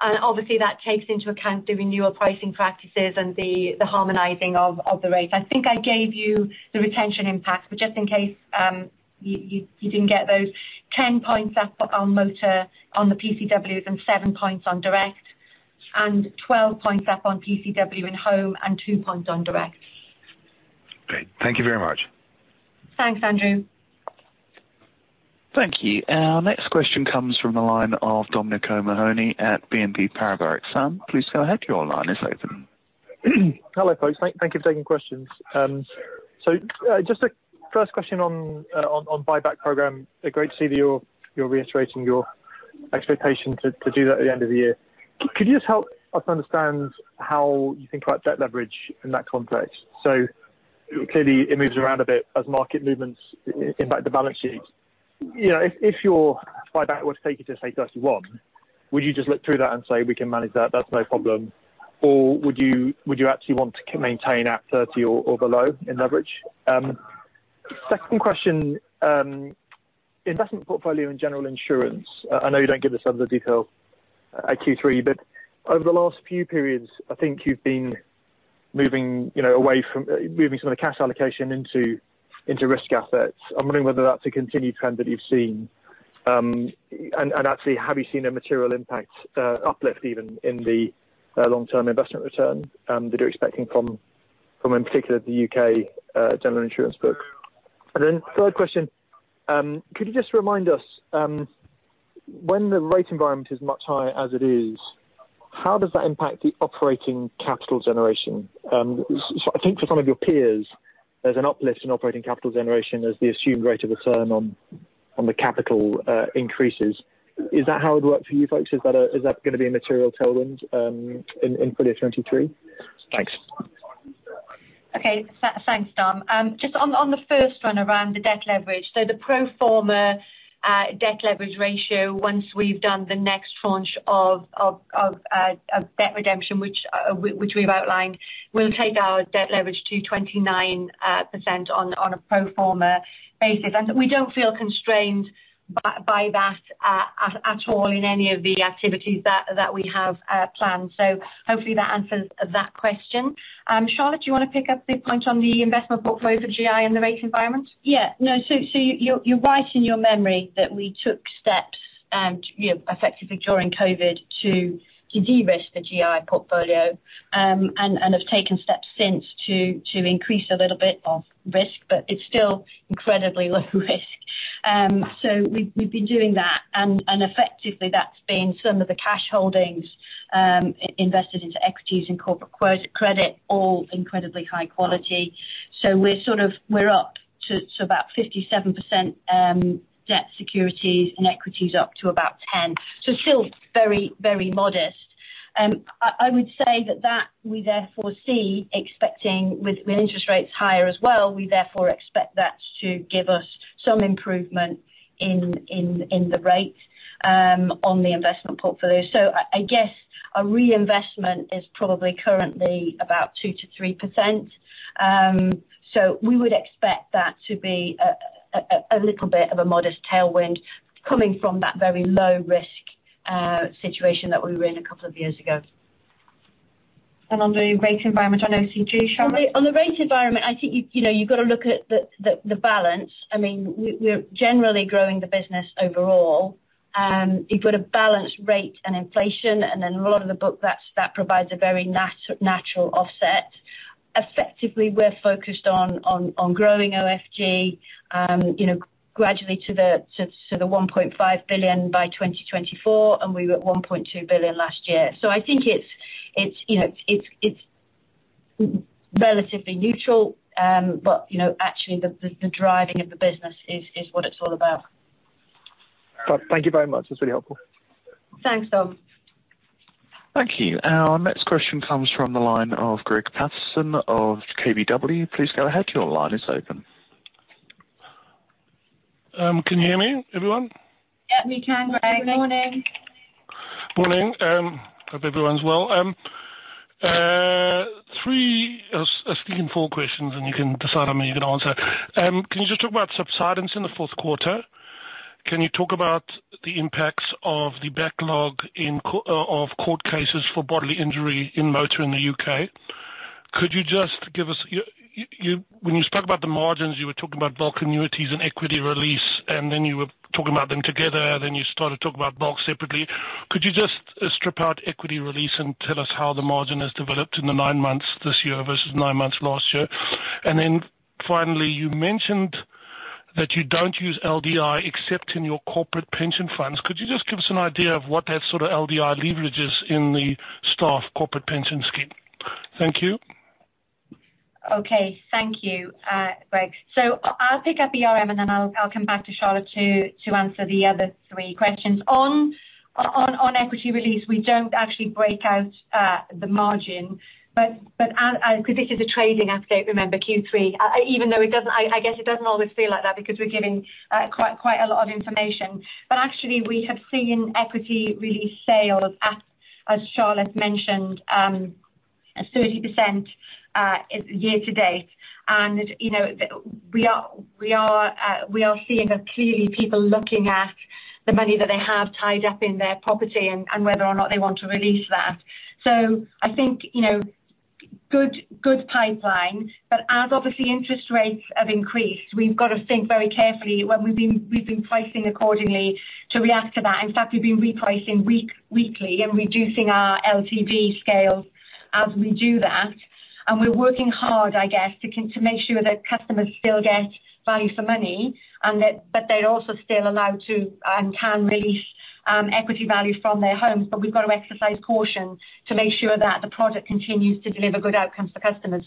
Obviously that takes into account the renewal pricing practices and the harmonizing of the rate. I think I gave you the retention impact, but just in case, you didn't get those 10 points up on motor on the PCW and seven points on direct and 12 points up on PCW in home and two points on direct. Great. Thank you very much. Thanks, Andrew. Thank you. Our next question comes from the line of Dominic O'Mahony at BNP Paribas. Sir, please go ahead. Your line is open. Hello, folks. Thank you for taking questions. Just a first question on buyback program. Great to see that you're reiterating your expectation to do that at the end of the year. Could you just help us understand how you think about debt leverage in that context? So clearly it moves around a bit as market movements impact the balance sheet. You know, if your buyback were to take you to, say, 31, would you just look through that and say, "We can manage that's no problem?" Or would you actually want to maintain at 30 or below in leverage? Second question, investment portfolio in general insurance. I know you don't give us other detail at Q3, but over the last few periods, I think you've been moving, you know, away from moving some of the cash allocation into risk assets. I'm wondering whether that's a continued trend that you've seen. And actually, have you seen a material impact uplift even in the long-term investment return that you're expecting from in particular the UK general insurance book? Then third question, could you just remind us when the rate environment is much higher as it is, how does that impact the operating capital generation? So I think for some of your peers, there's an uplift in operating capital generation as the assumed rate of return on the capital increases. Is that how it works for you folks? Is that gonna be a material tailwind in fully 2023? Thanks. Okay. Thanks, Dom. Just on the first one around the debt leverage. The pro forma debt leverage ratio, once we've done the next tranche of debt redemption, which we've outlined, will take our debt leverage to 29% on a pro forma basis. We don't feel constrained by that at all in any of the activities that we have planned. Hopefully that answers that question. Charlotte, do you wanna pick up the point on the investment portfolio for GI and the rate environment? You're right in your memory that we took steps, you know, effectively during COVID to de-risk the GI portfolio and have taken steps since to increase a little bit of risk, but it's still incredibly low risk. We've been doing that, and effectively that's been some of the cash holdings invested into equities and corporate credit, all incredibly high quality. We're up to about 57% debt securities and equities up to about 10. Still very modest. I would say that with interest rates higher as well, we therefore expect that to give us some improvement in the rate on the investment portfolio. I guess our reinvestment is probably currently about 2%-3%. We would expect that to be a little bit of a modest tailwind coming from that very low risk situation that we were in a couple of years ago. On the rate environment, I know it's you too, Charlotte. On the rate environment, I think you know, you've got to look at the balance. I mean, we're generally growing the business overall. You've got a balanced rate and inflation, and then a lot of the book that provides a very natural offset. Effectively, we're focused on growing OFG, you know, gradually to the 1.5 billion by 2024, and we were at 1.2 billion last year. I think it's, you know, it's relatively neutral. You know, actually the driving of the business is what it's all about. Thank you very much. That's really helpful. Thanks, Dom. Thank you. Our next question comes from the line of Greig Paterson of KBW. Please go ahead. Your line is open. Can you hear me, everyone? Yeah, we can, Greig. Good morning. Morning. Hope everyone's well. I was asking four questions, and you can decide on me, you can answer. Can you just talk about subsidence in the fourth quarter? Can you talk about the impacts of the backlog in court cases for bodily injury in motor in the UK? Could you just give us, when you spoke about the margins, you were talking about bulk annuities and equity release, and then you were talking about them together, then you started talking about bulk separately. Could you just strip out equity release and tell us how the margin has developed in the nine months this year versus nine months last year? Finally, you mentioned that you don't use LDI except in your corporate pension funds. Could you just give us an idea of what that sort of LDI leverage is in the staff corporate pension scheme? Thank you. Okay. Thank you, Greig. I'll pick up ERM, and then I'll come back to Charlotte to answer the other three questions. On equity release, we don't actually break out the margin. Because this is a trading update, remember Q3. Even though it doesn't always feel like that because we're giving quite a lot of information. Actually, we have seen equity release sales, as Charlotte mentioned, 30% year to date. You know, we are seeing clearly people looking at the money that they have tied up in their property and whether or not they want to release that. I think, you know, good pipeline. As obviously interest rates have increased, we've got to think very carefully when we've been pricing accordingly to react to that. In fact, we've been repricing weekly and reducing our LTV scale as we do that. We're working hard, I guess, to make sure that customers still get value for money and that but they're also still allowed to and can release equity value from their homes. We've got to exercise caution to make sure that the product continues to deliver good outcomes for customers.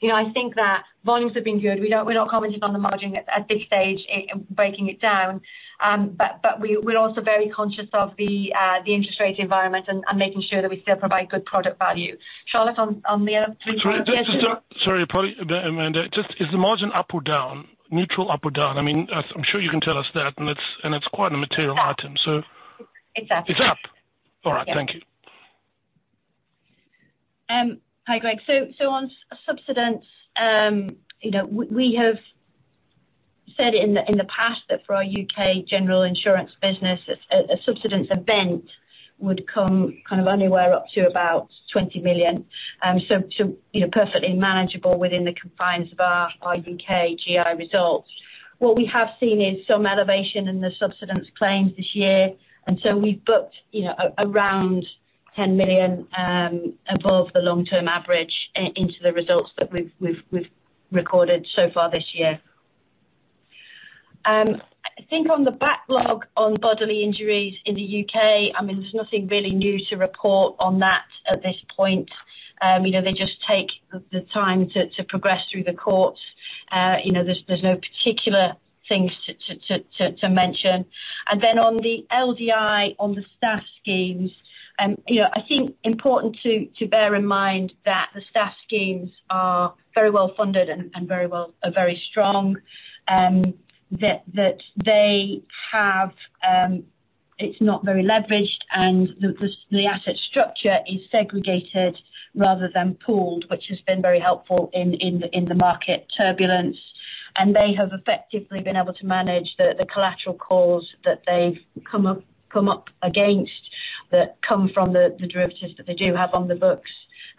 You know, I think that volumes have been good. We don't, we're not commenting on the margin at this stage in breaking it down. But we're also very conscious of the interest rate environment and making sure that we still provide good product value. Charlotte, on the other three questions. Sorry, probably Amanda. Just is the margin up or down? Neutral, up or down? I mean, I'm sure you can tell us that, and it's quite a material item, so. It's up. It's up. All right. Thank you. Yeah. Hi, Greg. On subsidence, you know, we have said in the past that for our UK general insurance business, a subsidence event would come kind of anywhere up to about 20 million. Too, you know, perfectly manageable within the confines of our UK GI results. What we have seen is some elevation in the subsidence claims this year, and we've booked, you know, around 10 million above the long-term average into the results that we've recorded so far this year. I think on the backlog on bodily injuries in the UK, I mean, there's nothing really new to report on that at this point. You know, they just take the time to progress through the courts. You know, there's no particular things to mention. On the LDI, on the staff schemes, you know, I think important to bear in mind that the staff schemes are very well funded. They are very strong. It's not very leveraged, and the asset structure is segregated rather than pooled, which has been very helpful in the market turbulence. They have effectively been able to manage the collateral calls that they've come up against that come from the derivatives that they do have on the books.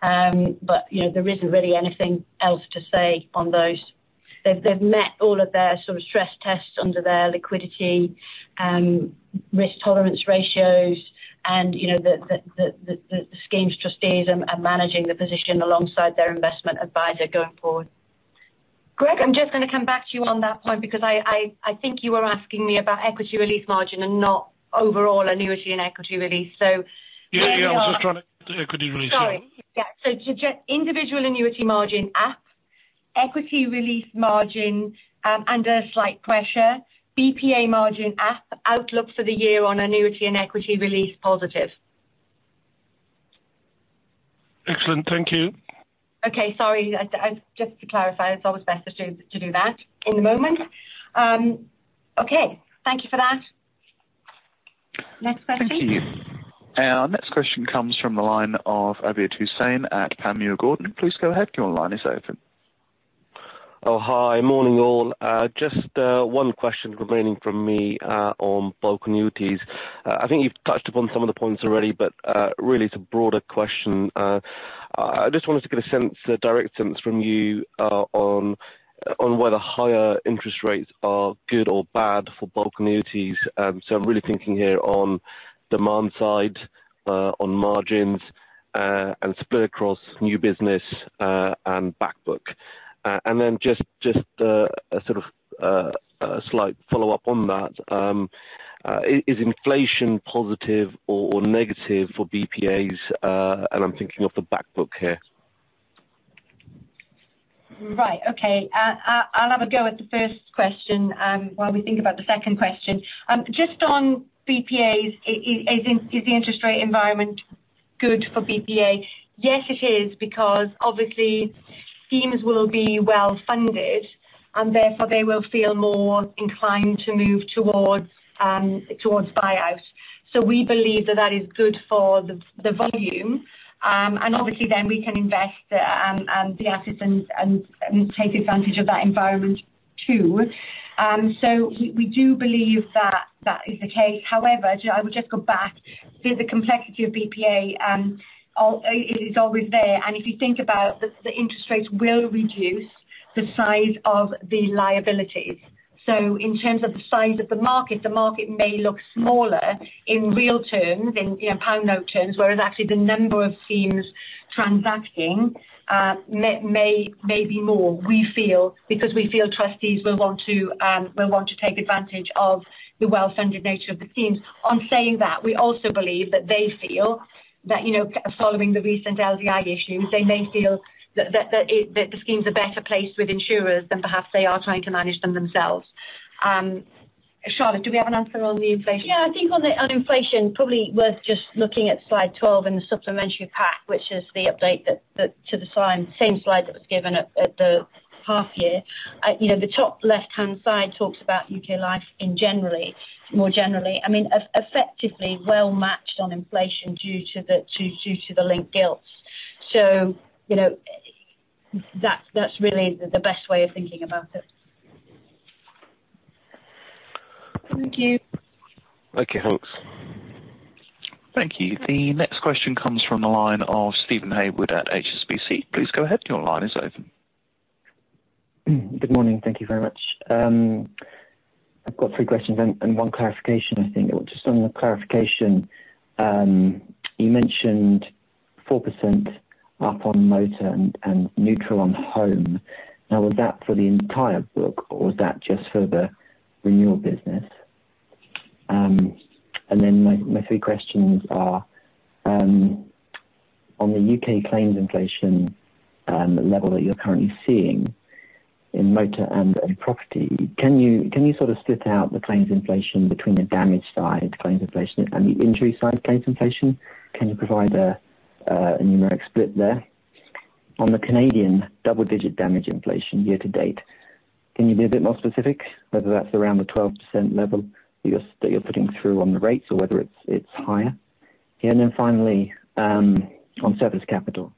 But, you know, there isn't really anything else to say on those. They've met all of their sort of stress tests under their liquidity risk tolerance ratios, and you know, the schemes trustees are managing the position alongside their investment advisor going forward. Greig, I'm just gonna come back to you on that point because I think you were asking me about equity release margin and not overall annuity and equity release. Maybe I- Yeah. Equity release. Sorry. Yeah. Just individual annuity margin up, equity release margin under slight pressure, BPA margin up, outlook for the year on annuity and equity release positive. Excellent. Thank you. Okay. Sorry. Just to clarify, it's always best to do that in the moment. Okay. Thank you for that. Next question. Thank you. Our next question comes from the line of Abid Hussain at Panmure Gordon. Please go ahead. Your line is open. Oh, hi. Morning, all. Just one question remaining from me on bulk annuities. I think you've touched upon some of the points already, but really it's a broader question. I just wanted to get a sense, a direct sense from you, on whether higher interest rates are good or bad for bulk annuities. I'm really thinking here on demand side, on margins, and split across new business and back book. Just a sort of a slight follow-up on that, is inflation positive or negative for BPAs? I'm thinking of the back book here. Right. Okay. I'll have a go at the first question, while we think about the second question. Just on BPAs, is the interest rate environment good for BPA? Yes, it is, because obviously schemes will be well-funded, and therefore they will feel more inclined to move towards buyouts. We believe that is good for the volume. Obviously then we can invest the assets and take advantage of that environment too. We do believe that is the case. However, I would just go back. The complexity of BPA is always there. If you think about the interest rates will reduce the size of the liabilities. In terms of the size of the market, the market may look smaller in real terms, you know, pound note terms, whereas actually the number of schemes transacting may be more. We feel, because trustees will want to take advantage of the well-funded nature of the schemes. On saying that, we also believe that they feel that, you know, following the recent LDI issues, they may feel that the schemes are better placed with insurers than perhaps they are trying to manage them themselves. Charlotte, do we have an answer on the inflation? Yeah, I think on inflation, probably worth just looking at slide 12 in the supplementary pack, which is the update to the slide, same slide that was given at the half year. You know, the top left-hand side talks about UK Life in general, more generally. I mean, effectively well matched on inflation due to the linked gilts. You know, that's really the best way of thinking about it. Thank you. Okay, folks. Thank you. The next question comes from the line of Steven Haywood at HSBC. Please go ahead. Your line is open. Good morning. Thank you very much. I've got three questions and one clarification, I think. Just on the clarification, you mentioned 4% up on motor and neutral on home. Now, was that for the entire book, or was that just for the renewal business? My three questions are on the UK claims inflation level that you're currently seeing in motor and property, can you sort of split out the claims inflation between the damage side claims inflation and the injury side claims inflation? Can you provide a numeric split there? On the Canadian double-digit damage inflation year to date, can you be a bit more specific, whether that's around the 12% level that you're putting through on the rates or whether it's higher? Finally, on surplus capital,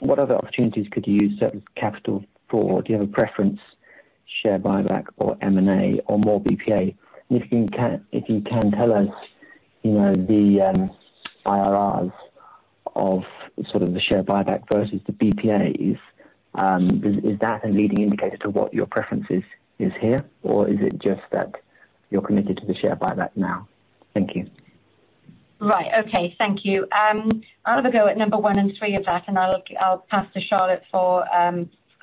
what other opportunities could you use surplus capital for? Do you have a preference, share buyback or M&A or more BPA? If you can tell us, you know, the IRRs of sort of the share buyback versus the BPAs, is that a leading indicator to what your preference is here? Or is it just that you're committed to the share buyback now? Thank you. Right. Okay. Thank you. I'll have a go at number one and three of that, and I'll pass to Charlotte for...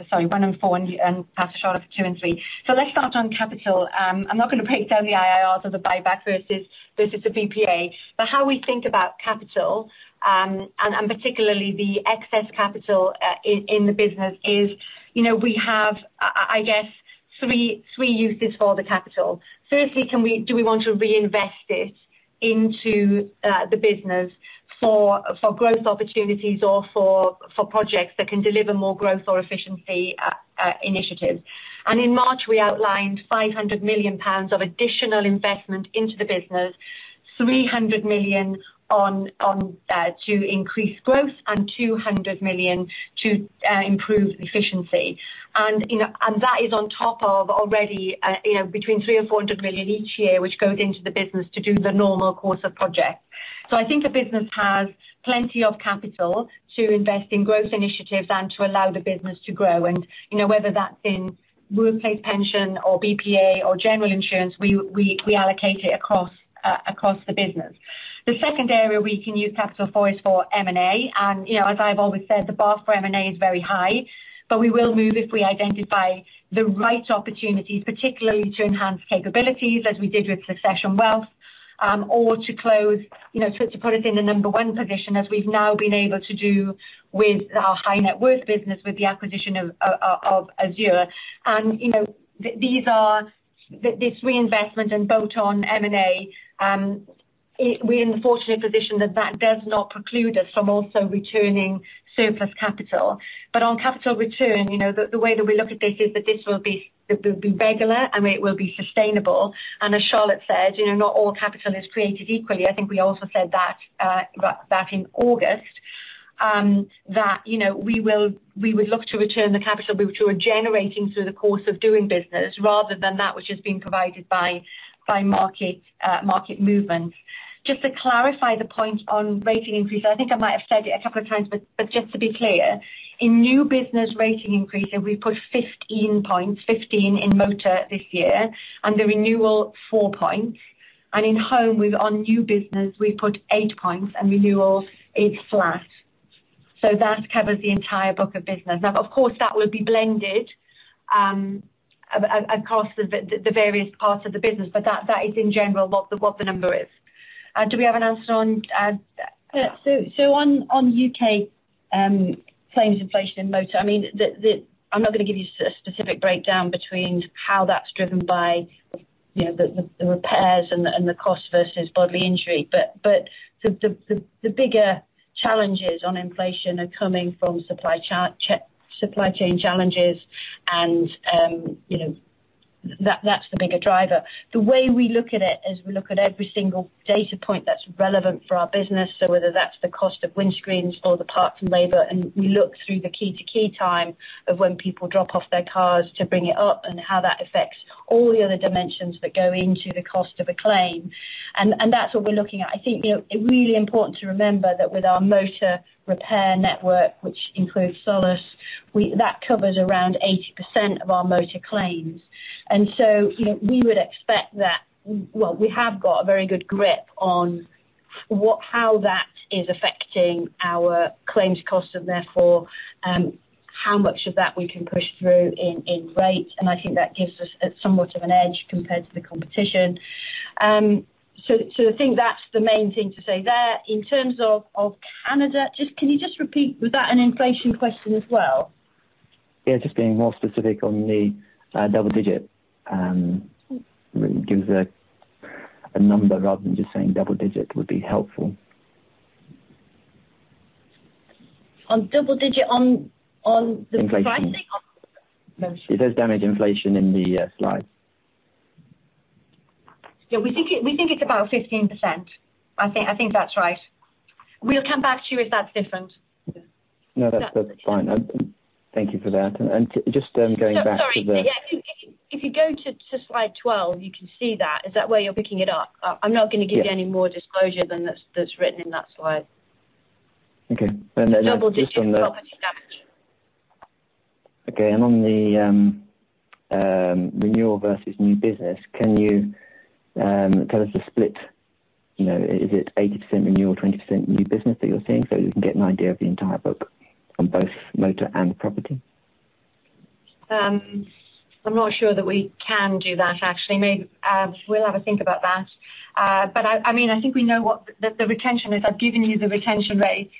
Sorry, one and four, and pass to Charlotte for two and three. Let's start on capital. I'm not gonna break down the IRRs of the buyback versus the BPA. How we think about capital, and particularly the excess capital, in the business is, you know, we have, I guess, three uses for the capital. Firstly, do we want to reinvest it into the business for growth opportunities or for projects that can deliver more growth or efficiency initiatives. In March, we outlined 500 million pounds of additional investment into the business, 300 million on to increase growth and 200 million to improve efficiency. You know, that is on top of already, you know, between 300 million and 400 million each year, which goes into the business to do the normal course of projects. I think the business has plenty of capital to invest in growth initiatives and to allow the business to grow. You know, whether that's in workplace pension or BPA or general insurance, we allocate it across the business. The second area we can use capital for is for M&A. You know, as I've always said, the bar for M&A is very high, but we will move if we identify the right opportunities, particularly to enhance capabilities as we did with Succession Wealth, or you know, to put us in a number one position as we've now been able to do with our high net worth business with the acquisition of abrdn. You know, this reinvestment and bolt-on M&A, we're in the fortunate position that that does not preclude us from also returning surplus capital. On capital return, you know, the way that we look at this is that this will be regular, and it will be sustainable. As Charlotte said, you know, not all capital is created equally. I think we also said that back in August that you know we would look to return the capital which we were generating through the course of doing business rather than that which has been provided by By market movements. Just to clarify the point on rating increases, I think I might have said it a couple of times, but just to be clear. In new business rating increases, we put 15 points, 15 in motor this year, and the renewal four points. In home with our new business, we put 8 points and renewal is flat. That covers the entire book of business. Now of course, that will be blended across the various parts of the business, but that is in general what the number is. Do we have an answer on... On UK claims inflation in motor, I mean, I'm not going to give you specific breakdown between how that's driven by, you know, the repairs and the cost versus bodily injury. The bigger challenges on inflation are coming from supply chain challenges and, you know, that's the bigger driver. The way we look at it is we look at every single data point that's relevant for our business. Whether that's the cost of windshields or the parts and labor, and we look through the key to key time of when people drop off their cars to bring it up and how that affects all the other dimensions that go into the cost of a claim. That's what we're looking at. I think, you know, it really important to remember that with our motor repair network, which includes Solus, that covers around 80% of our motor claims. You know, we would expect that. Well, we have got a very good grip on how that is affecting our claims cost and therefore, how much of that we can push through in rates. I think that gives us somewhat of an edge compared to the competition. So, I think that's the main thing to say there. In terms of Canada, can you just repeat, was that an inflation question as well? Yeah, just being more specific on the double digit. Give us a number rather than just saying double digit would be helpful. On double-digit on the pricing? Inflation. No. It says damage inflation in the slide. Yeah, we think it's about 15%. I think that's right. We'll come back to you if that's different. No, that's fine. Thank you for that. Just going back to the Sorry. Yeah. If you go to slide 12, you can see that. Is that where you're picking it up? I'm not gonna give you any more disclosure than that's written in that slide. Okay. Just on the Double-digit property damage. Okay. On the renewal versus new business, can you tell us the split? You know, is it 80% renewal, 20% new business that you're seeing so we can get an idea of the entire book on both motor and property? I'm not sure that we can do that actually. We'll have a think about that. I mean, I think we know what the retention is. I've given you the retention rate.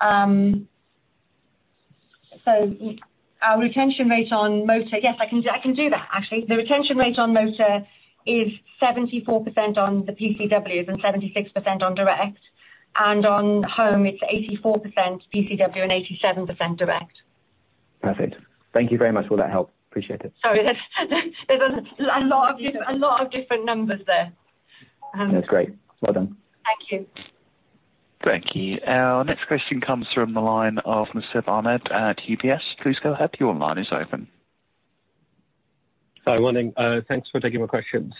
Our retention rate on motor. Yes, I can do that actually. The retention rate on motor is 74% on the PCWs and 76% on direct. On home it's 84% PCW and 87% direct. Perfect. Thank you very much for that help. Appreciate it. Sorry. There's a lot of different numbers there. No, it's great. Well done. Thank you. Thank you. Our next question comes from the line of Nasib Ahmed at UBS. Please go ahead. Your line is open. Sorry. Morning. Thanks for taking my question.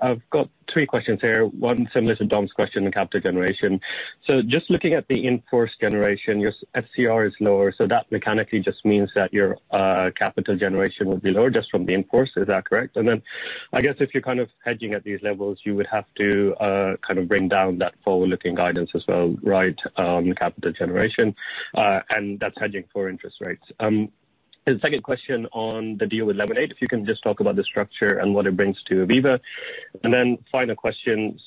I've got three questions here. One similar to Dom's question on capital generation. Just looking at the in-force generation, your SCR is lower, so that mechanically just means that your capital generation will be lower just from the in-force. Is that correct? Then I guess if you're kind of hedging at these levels, you would have to kind of bring down that forward-looking guidance as well, right, capital generation, and that's hedging for interest rates. The second question on the deal with Lemonade, if you can just talk about the structure and what it brings to Aviva. Then final question,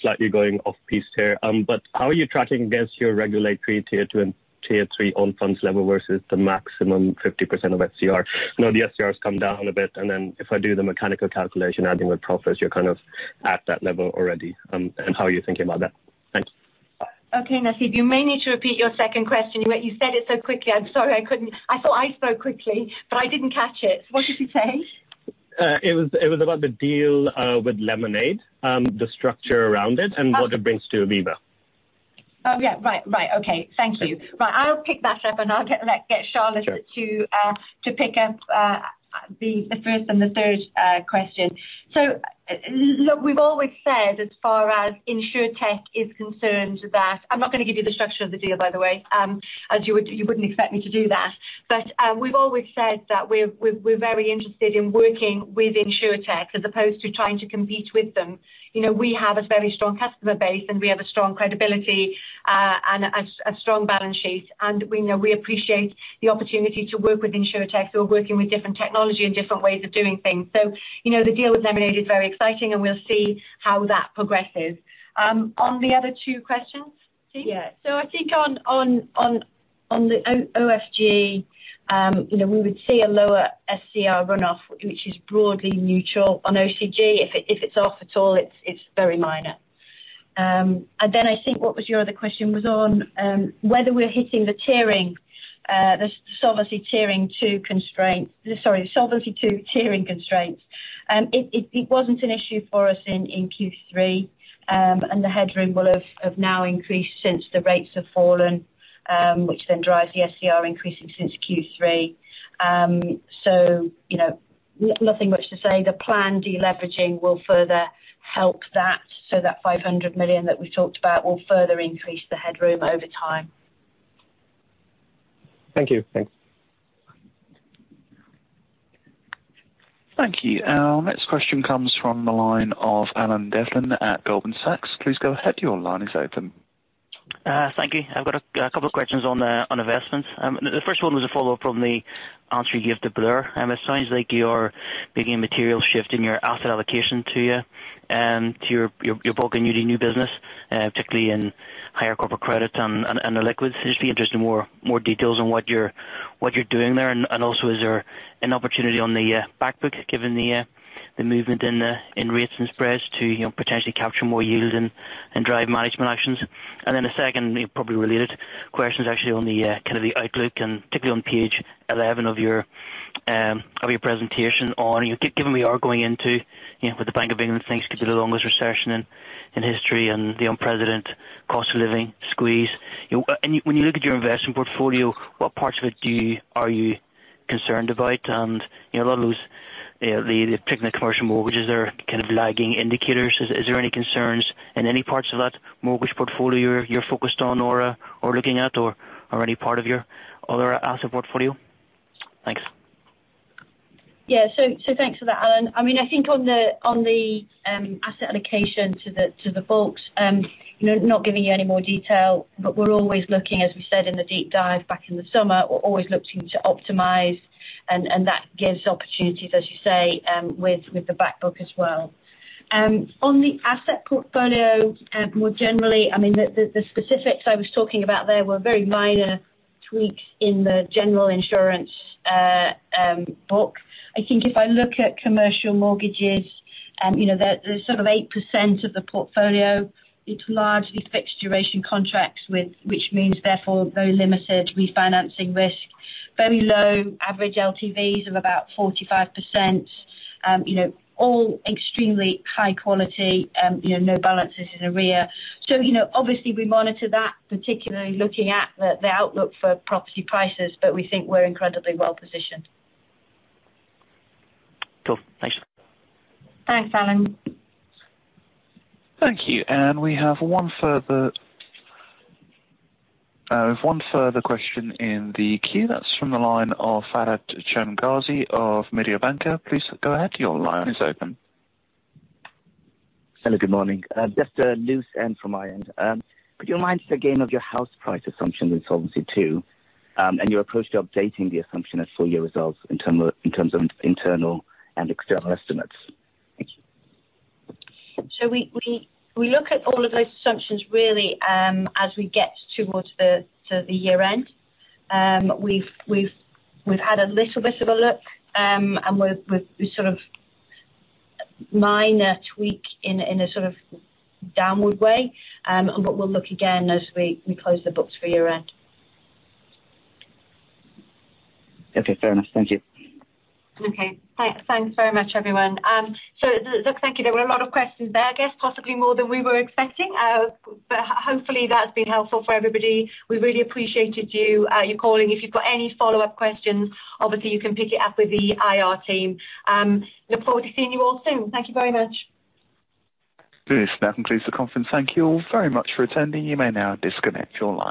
slightly going off piste here. But how are you tracking against your regulatory Tier two and Tier three own funds level versus the maximum 50% of SCR? I know the SCR has come down a bit, and then if I do the mechanical calculation, adding with profits, you're kind of at that level already. How are you thinking about that? Thanks. Okay, Nasib, you may need to repeat your second question. You said it so quickly. I'm sorry I couldn't. I thought I spoke quickly, but I didn't catch it. What did you say? It was about the deal with Lemonade, the structure around it and what it brings to Aviva. Yeah. Right. Okay. Thank you. I'll pick that up, and I'll get Charlotte to pick up the first and the third question. Look, we've always said as far as Insurtech is concerned that I'm not going to give you the structure of the deal, by the way, as you would, you wouldn't expect me to do that. We've always said that we're very interested in working with Insurtech as opposed to trying to compete with them. You know, we have a very strong customer base, and we have a strong credibility and a strong balance sheet. We know we appreciate the opportunity to work with Insurtechs who are working with different technology and different ways of doing things. You know, the deal with Lemonade is very exciting, and we'll see how that progresses. On the other two questions, please. I think on the OFG, you know, we would see a lower SCR runoff, which is broadly neutral. On OCG, if it's off at all, it's very minor. And then I think what was your other question was on whether we're hitting the tiering, the Solvency II tiering constraints. It wasn't an issue for us in Q3, and the headroom will have now increased since the rates have fallen, which then drives the SCR increasing since Q3, you know, nothing much to say. The planned deleveraging will further help that, so that 500 million that we talked about will further increase the headroom over time. Thank you. Thanks. Thank you. Our next question comes from the line of Alan Devlin at Goldman Sachs. Please go ahead. Your line is open. Thank you. I've got a couple of questions on investments. The first one was a follow-up from the answer you gave to Blair. It sounds like you're making a material shift in your asset allocation to your bulk annuity new business, particularly in higher corporate credits and the liquids. I'd be interested in more details on what you're doing there. Also, is there an opportunity on the back book, given the movement in rates and spreads to, you know, potentially capture more yield and drive management actions? The second, probably related question is actually on the kind of the outlook and particularly on page eleven of your presentation on you. Given we are going into, you know, with the Bank of England, things could be the longest recession in history and the unprecedented cost of living squeeze. You know, when you look at your investment portfolio, what parts of it are you concerned about? You know, a lot of those, the Payment-In-Kind commercial mortgages are kind of lagging indicators. Is there any concerns in any parts of that mortgage portfolio you're focused on or looking at or are already part of your other asset portfolio? Thanks. Yeah. Thanks for that, Alan. I mean, I think on the asset allocation to the folks, you know, not giving you any more detail, but we're always looking, as we said in the deep dive back in the summer. We're always looking to optimize and that gives opportunities, as you say, with the back book as well. On the asset portfolio, more generally, I mean, the specifics I was talking about there were very minor tweaks in the general insurance book. I think if I look at commercial mortgages, you know, they're sort of 8% of the portfolio. It's largely fixed duration contracts with which means therefore very limited refinancing risk. Very low average LTVs of about 45%. You know, all extremely high quality. You know, no balances in arrears. You know, obviously we monitor that, particularly looking at the outlook for property prices, but we think we're incredibly well-positioned. Cool. Thanks. Thanks, Alan. Thank you. We have one further question in the queue. That's from the line of Fahad Changazi of Mirabaud. Please go ahead. Your line is open. Hello, good morning. Just a loose end from my end. Would you mind the gain of your house price assumptions in Solvency II, and your approach to updating the assumption of full year results in terms of internal and external estimates? Thank you. We look at all of those assumptions really, as we get towards the year end. We've had a little bit of a look, and we've sort of minor tweak in a sort of downward way. We'll look again as we close the books for year end. Okay. Fair enough. Thank you. Okay. Thanks very much, everyone. Look, thank you. There were a lot of questions there. I guess possibly more than we were expecting. Hopefully that's been helpful for everybody. We really appreciated you calling. If you've got any follow-up questions, obviously you can pick it up with the IR team. Look forward to seeing you all soon. Thank you very much. Please, that concludes the conference. Thank you all very much for attending. You may now disconnect your lines.